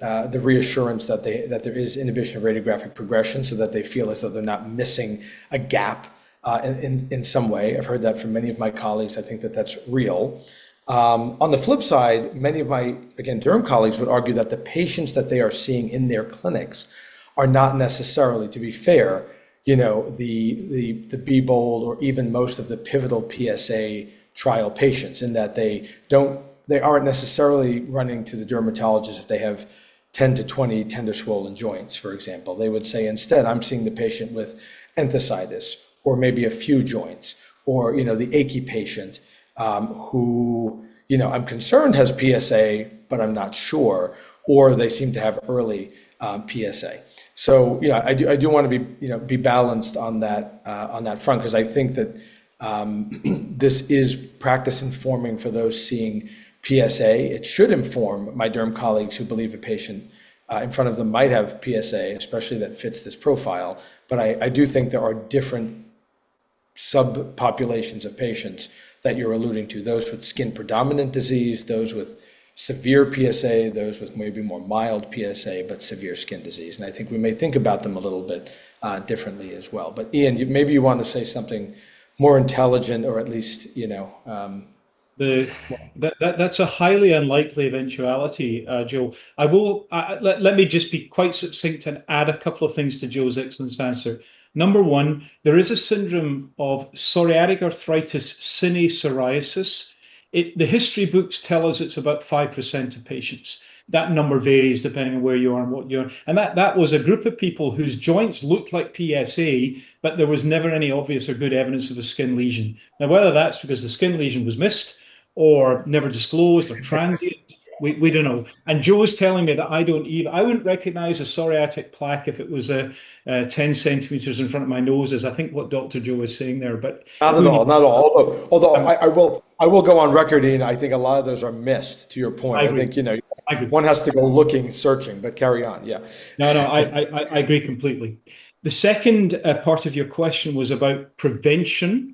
the reassurance that there is inhibition of radiographic progression so that they feel as though they're not missing a gap in some way. I've heard that from many of my colleagues. I think that that's real. On the flip side, many of my, again, derm colleagues would argue that the patients that they are seeing in their clinics are not necessarily, to be fair, the BE BOLD or even most of the pivotal PsA trial patients, in that they aren't necessarily running to the dermatologist if they have 10-20 tender, swollen joints, for example. They would say instead, "I'm seeing the patient with enthesitis or maybe a few joints, or the achy patient who I'm concerned has PsA, but I'm not sure, or they seem to have early PsA." I do want to be balanced on that front because I think that this is practice informing for those seeing PsA. It should inform my derm colleagues who believe a patient in front of them might have PsA, especially that fits this profile. I do think there are different subpopulations of patients that you're alluding to. Those with skin-predominant disease, those with severe PsA, those with maybe more mild PsA but severe skin disease. I think we may think about them a little bit differently as well. Iain, maybe you want to say something more intelligent. That's a highly unlikely eventuality, Joe. Let me just be quite succinct and add a couple of things to Joe's excellent answer. Number one, there is a syndrome of psoriatic arthritis sine psoriasis. The history books tell us it's about 5% of patients. That number varies depending on where you are. That was a group of people whose joints looked like PsA, but there was never any obvious or good evidence of a skin lesion. Whether that's because the skin lesion was missed or never disclosed or transient, we don't know. Joe was telling me that I wouldn't recognize a psoriatic plaque if it was 10 cm in front of my nose, is I think what Dr. Joe was saying there. Not at all. I will go on record, Iain. I think a lot of those are missed, to your point. I agree. One has to go looking, searching. Carry on, yeah. No, I agree completely. The second part of your question was about prevention.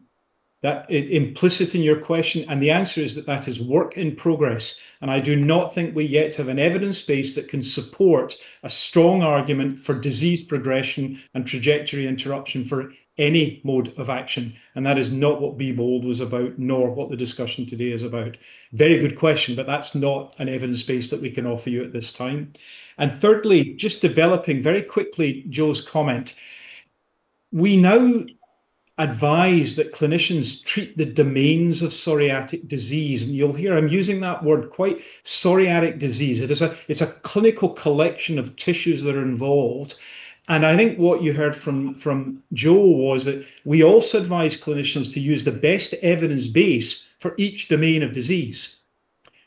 That is implicit in your question. The answer is that is work in progress, and I do not think we yet have an evidence base that can support a strong argument for disease progression and trajectory interruption for any mode of action. That is not what BE BOLD was about, nor what the discussion today is about. Very good question. That's not an evidence base that we can offer you at this time. Thirdly, just developing very quickly Joel's comment. We now advise that clinicians treat the domains of psoriatic disease, and you'll hear I'm using that word quite. Psoriatic disease. It's a clinical collection of tissues that are involved. I think what you heard from Joe was that we also advise clinicians to use the best evidence base for each domain of disease.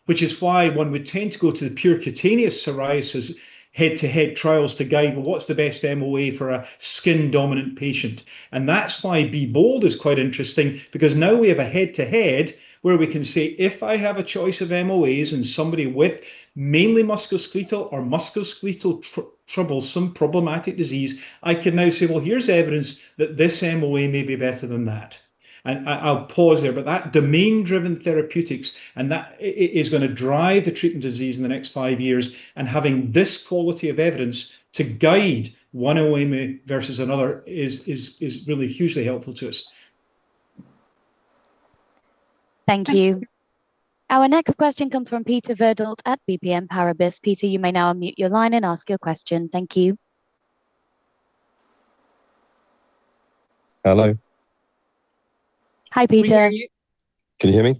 Which is why one would tend to go to the pure cutaneous psoriasis head-to-head trials to guide what's the best MOA for a skin-dominant patient. That's why BE BOLD is quite interesting because now we have a head-to-head where we can say, if I have a choice of MOAs in somebody with mainly musculoskeletal or musculoskeletal troublesome problematic disease, I can now say, "Well, here's evidence that this MOA may be better than that." I'll pause there. That domain-driven therapeutics, and that is going to drive the treatment disease in the next five years. Having this quality of evidence to guide one MOA versus another is really hugely helpful to us. Thank you. Our next question comes from Peter Verdult at BNP Paribas. Peter, you may now unmute your line and ask your question. Thank you. Hello? Hi, Peter. Can you hear me?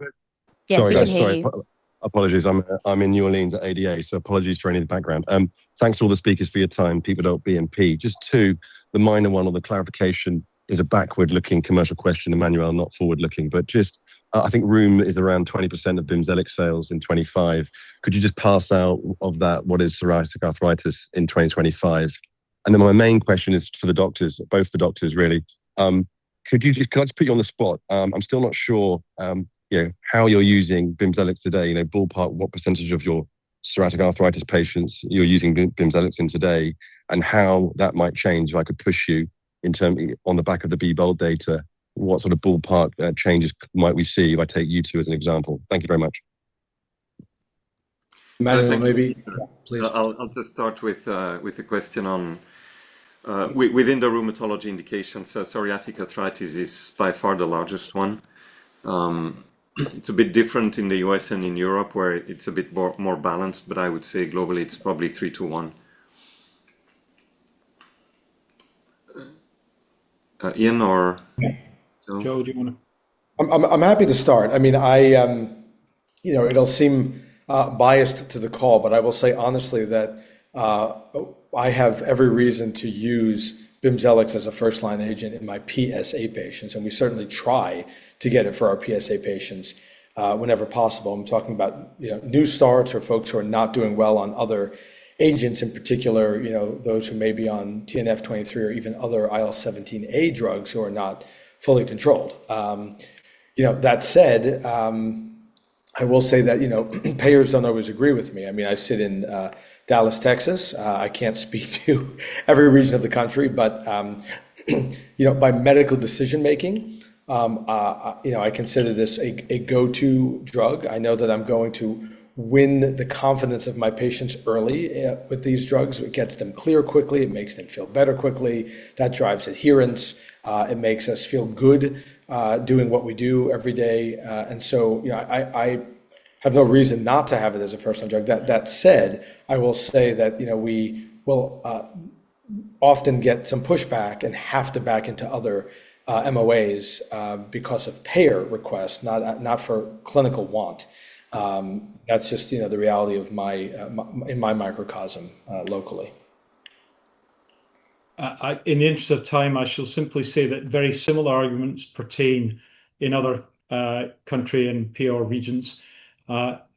Yes, we can hear you. Sorry, guys. Sorry. Apologies. I'm in New Orleans at ADA, so apologies for any of the background. Thanks to all the speakers for your time. Peter Verdult, BNP. Just two, the minor one or the clarification is a backward-looking commercial question, Emmanuel, not forward-looking, but just I think rheum is around 20% of BIMZELX sales in 2025. Could you just parse out of that what is psoriatic arthritis in 2025? My main question is for the doctors, both the doctors really. Can I just put you on the spot? I'm still not sure how you're using BIMZELX today. Ballpark, what percentage of your psoriatic arthritis patients you're using BIMZELX in today, and how that might change, if I could push you, on the back of the BE BOLD data, what sort of ballpark changes might we see, if I take you two as an example? Thank you very much. Emmanuel, maybe. Please. I'll just start with the question on within the rheumatology indication, psoriatic arthritis is by far the largest one. It's a bit different in the U.S. than in Europe, where it's a bit more balanced, but I would say globally it's probably 3:1. Iain or Joe? Joe, I'm happy to start. It'll seem biased to the call, but I will say honestly that I have every reason to use BIMZELX as a first-line agent in my PsA patients, and we certainly try to get it for our PsA patients, whenever possible. I'm talking about new starts or folks who are not doing well on other agents, in particular, those who may be on IL-23 or even other IL-17A drugs who are not fully controlled. That said, I will say that payers don't always agree with me. I sit in Dallas, Texas. I can't speak to every region of the country, but by medical decision-making, I consider this a go-to drug. I know that I'm going to win the confidence of my patients early with these drugs. It gets them clear quickly. It makes them feel better quickly. That drives adherence. It makes us feel good doing what we do every day. I have no reason not to have it as a first-line drug. That said, I will say that we will often get some pushback and have to back into other MOAs because of payer requests, not for clinical want. That's just the reality in my microcosm locally. In the interest of time, I shall simply say that very similar arguments pertain in other country and payer regions.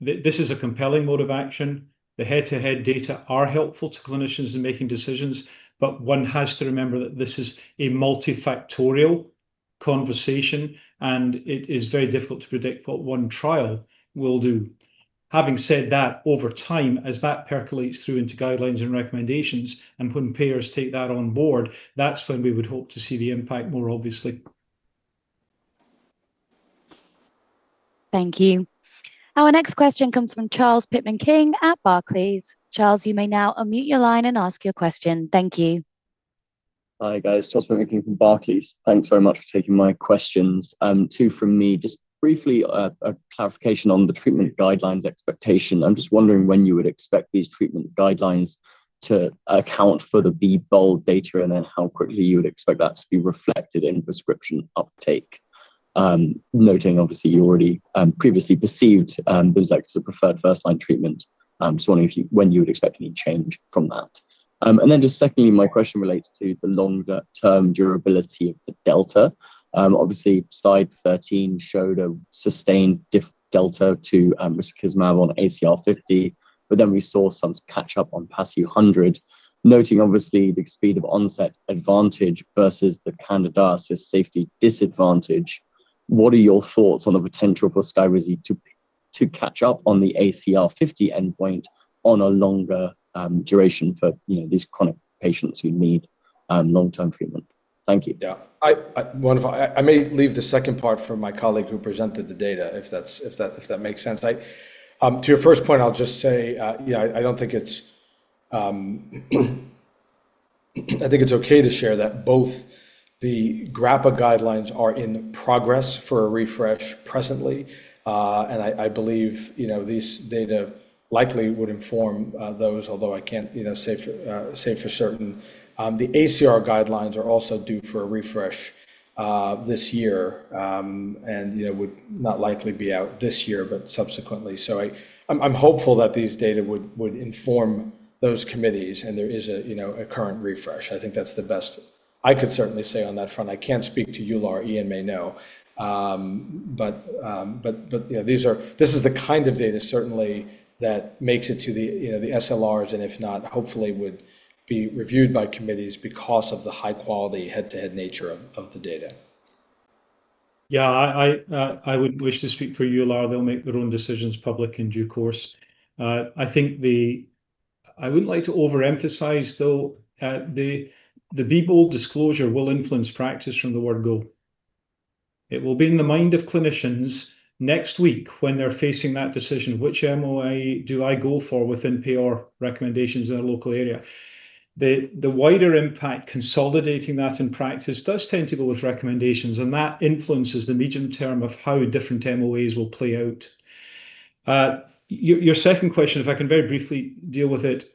This is a compelling mode of action. The head-to-head data are helpful to clinicians in making decisions. One has to remember that this is a multifactorial conversation, and it is very difficult to predict what one trial will do. Having said that, over time, as that percolates through into guidelines and recommendations, and when payers take that on board, that's when we would hope to see the impact more obviously. Thank you. Our next question comes from Charles Pitman-King at Barclays. Charles, you may now unmute your line and ask your question. Thank you. Hi, guys. Charles Pitman-King from Barclays. Thanks very much for taking my questions. Two from me. Just briefly, a clarification on the treatment guidelines expectation. I'm just wondering when you would expect these treatment guidelines to account for the BE BOLD data, then how quickly you would expect that to be reflected in prescription uptake. Noting, obviously, you already previously perceived BIMZELX as a preferred first-line treatment. I'm just wondering when you would expect any change from that. Then just secondly, my question relates to the longer-term durability of the delta. Obviously, slide 13 showed a sustained delta to risankizumab on ACR50, but then we saw some catch up on PASI 100. Noting obviously the speed of onset advantage versus the candidates' safety disadvantage, what are your thoughts on the potential for SKYRIZI to catch up on the ACR50 endpoint on a longer duration for these chronic patients who need long-term treatment? Thank you. Yeah. I may leave the second part for my colleague who presented the data, if that makes sense. To your first point, I'll just say, I think it's okay to share that both the GRAPPA guidelines are in progress for a refresh presently, I believe these data likely would inform those, although I can't say for certain. The ACR guidelines are also due for a refresh this year, would not likely be out this year, but subsequently. I'm hopeful that these data would inform those committees, there is a current refresh. I think that's the best I could certainly say on that front. I can't speak to EULAR, Iain may know. This is the kind of data, certainly, that makes it to the SLRs, if not, hopefully would be reviewed by committees because of the high quality head-to-head nature of the data. Yeah. I wouldn't wish to speak for EULAR. They'll make their own decisions public in due course. I wouldn't like to overemphasize, though, the BE BOLD disclosure will influence practice from the word go. It will be in the mind of clinicians next week when they're facing that decision, which MOA do I go for within pay or recommendations in a local area. The wider impact consolidating that in practice does tend to go with recommendations, that influences the medium term of how different MOAs will play out. Your second question, if I can very briefly deal with it.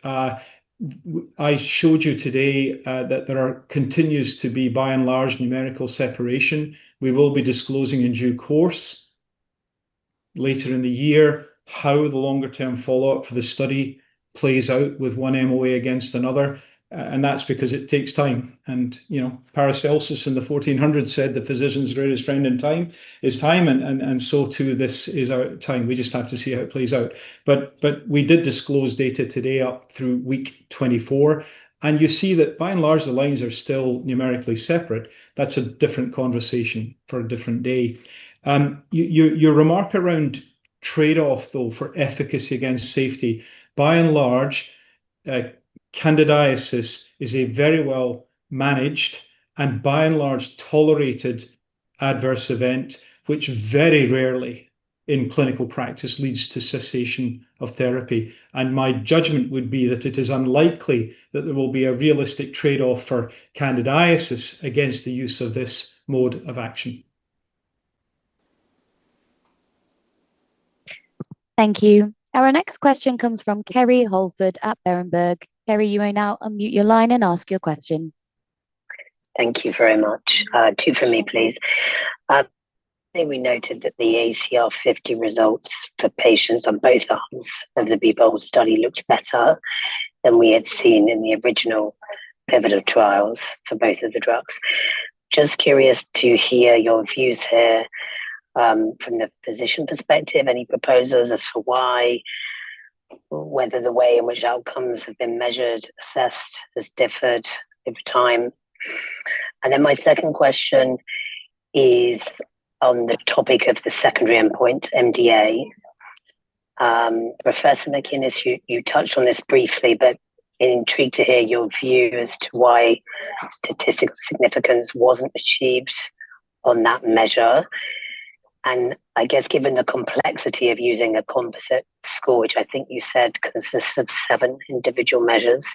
I showed you today that there continues to be by and large numerical separation. We will be disclosing in due course, later in the year, how the longer-term follow-up for the study plays out with one MOA against another, that's because it takes time. Paracelsus in the 1400s said the physician's greatest friend in time is time, so too this is our time. We just have to see how it plays out. We did disclose data today up through week 24, and you see that by and large, the lines are still numerically separate. That's a different conversation for a different day. Your remark around trade-off, though, for efficacy against safety, by and large, candidiasis is a very well managed and by and large tolerated adverse event which very rarely in clinical practice leads to cessation of therapy. My judgment would be that it is unlikely that there will be a realistic trade-off for candidiasis against the use of this mode of action. Thank you. Our next question comes from Kerry Holford at Berenberg. Kerry, you may now unmute your line and ask your question. Thank you very much. Two from me, please. I think we noted that the ACR50 results for patients on both arms of the BE BOLD study looked better than we had seen in the original pivotal trials for both of the drugs. Just curious to hear your views here from the physician perspective, any proposals as for why, whether the way in which outcomes have been measured, assessed has differed over time. My second question is on the topic of the secondary endpoint, MDA. Professor McInnes, you touched on this briefly, but intrigued to hear your view as to why statistical significance wasn't achieved on that measure. I guess given the complexity of using a composite score, which I think you said consists of seven individual measures,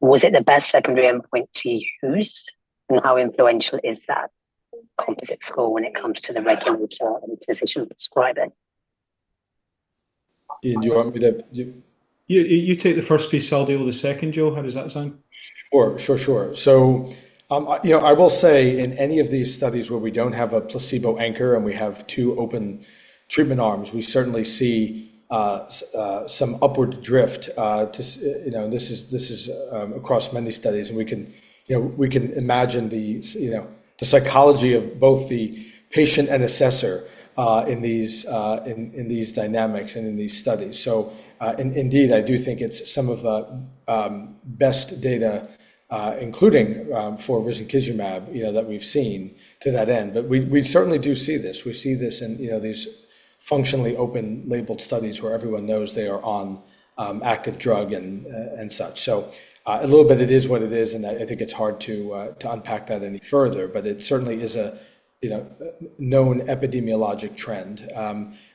was it the best secondary endpoint to use? How influential is that composite score when it comes to the regulator and physician prescribing? Iain, do you want me to? You take the first piece, I'll deal with the second, Joe. How does that sound? Sure. I will say in any of these studies where we don't have a placebo anchor and we have two open treatment arms, we certainly see some upward drift. This is across many studies, and we can imagine the psychology of both the patient and assessor in these dynamics and in these studies. Indeed, I do think it's some of the best data, including for risankizumab, that we've seen to that end. We certainly do see this. We see this in these functionally open-label studies where everyone knows they are on active drug and such. A little bit it is what it is, and I think it's hard to unpack that any further. It certainly is a known epidemiologic trend.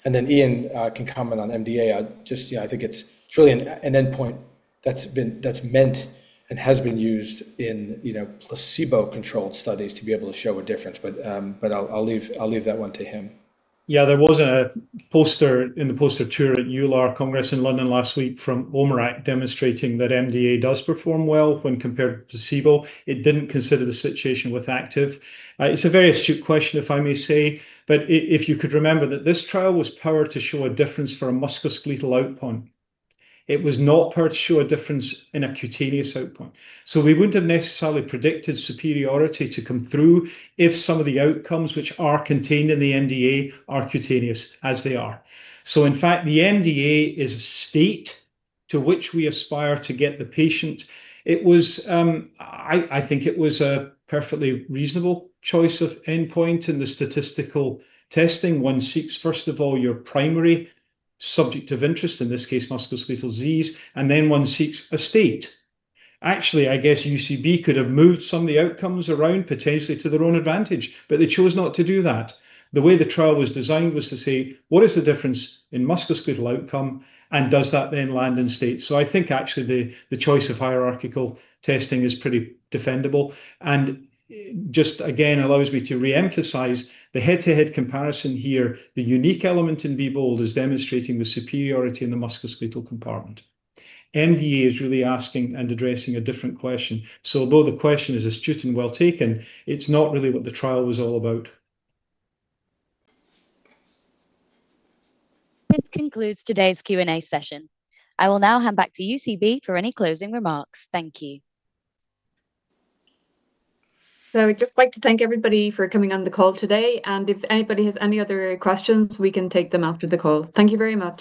Then Iain can comment on MDA. I think it's really an endpoint that's meant and has been used in placebo-controlled studies to be able to show a difference, I'll leave that one to him. There was a poster in the poster tour at EULAR Congress in London last week from OMERACT demonstrating that MDA does perform well when compared to placebo. It didn't consider the situation with active. It's a very astute question, if I may say, but if you could remember that this trial was powered to show a difference for a musculoskeletal endpoint. It was not powered to show a difference in a cutaneous endpoint. We wouldn't have necessarily predicted superiority to come through if some of the outcomes which are contained in the MDA are cutaneous as they are. In fact, the MDA is a state to which we aspire to get the patient. I think it was a perfectly reasonable choice of endpoint in the statistical testing. One seeks, first of all, your primary subject of interest, in this case, musculoskeletal disease, and then one seeks a state. Actually, I guess UCB could have moved some of the outcomes around potentially to their own advantage, but they chose not to do that. The way the trial was designed was to say, what is the difference in musculoskeletal outcome, and does that then land in state? I think actually the choice of hierarchical testing is pretty defendable and just again allows me to reemphasize the head-to-head comparison here. The unique element in BE BOLD is demonstrating the superiority in the musculoskeletal compartment. MDA is really asking and addressing a different question. Although the question is astute and well taken, it's not really what the trial was all about. This concludes today's Q&A session. I will now hand back to UCB for any closing remarks. Thank you. I'd just like to thank everybody for coming on the call today, if anybody has any other questions, we can take them after the call. Thank you very much.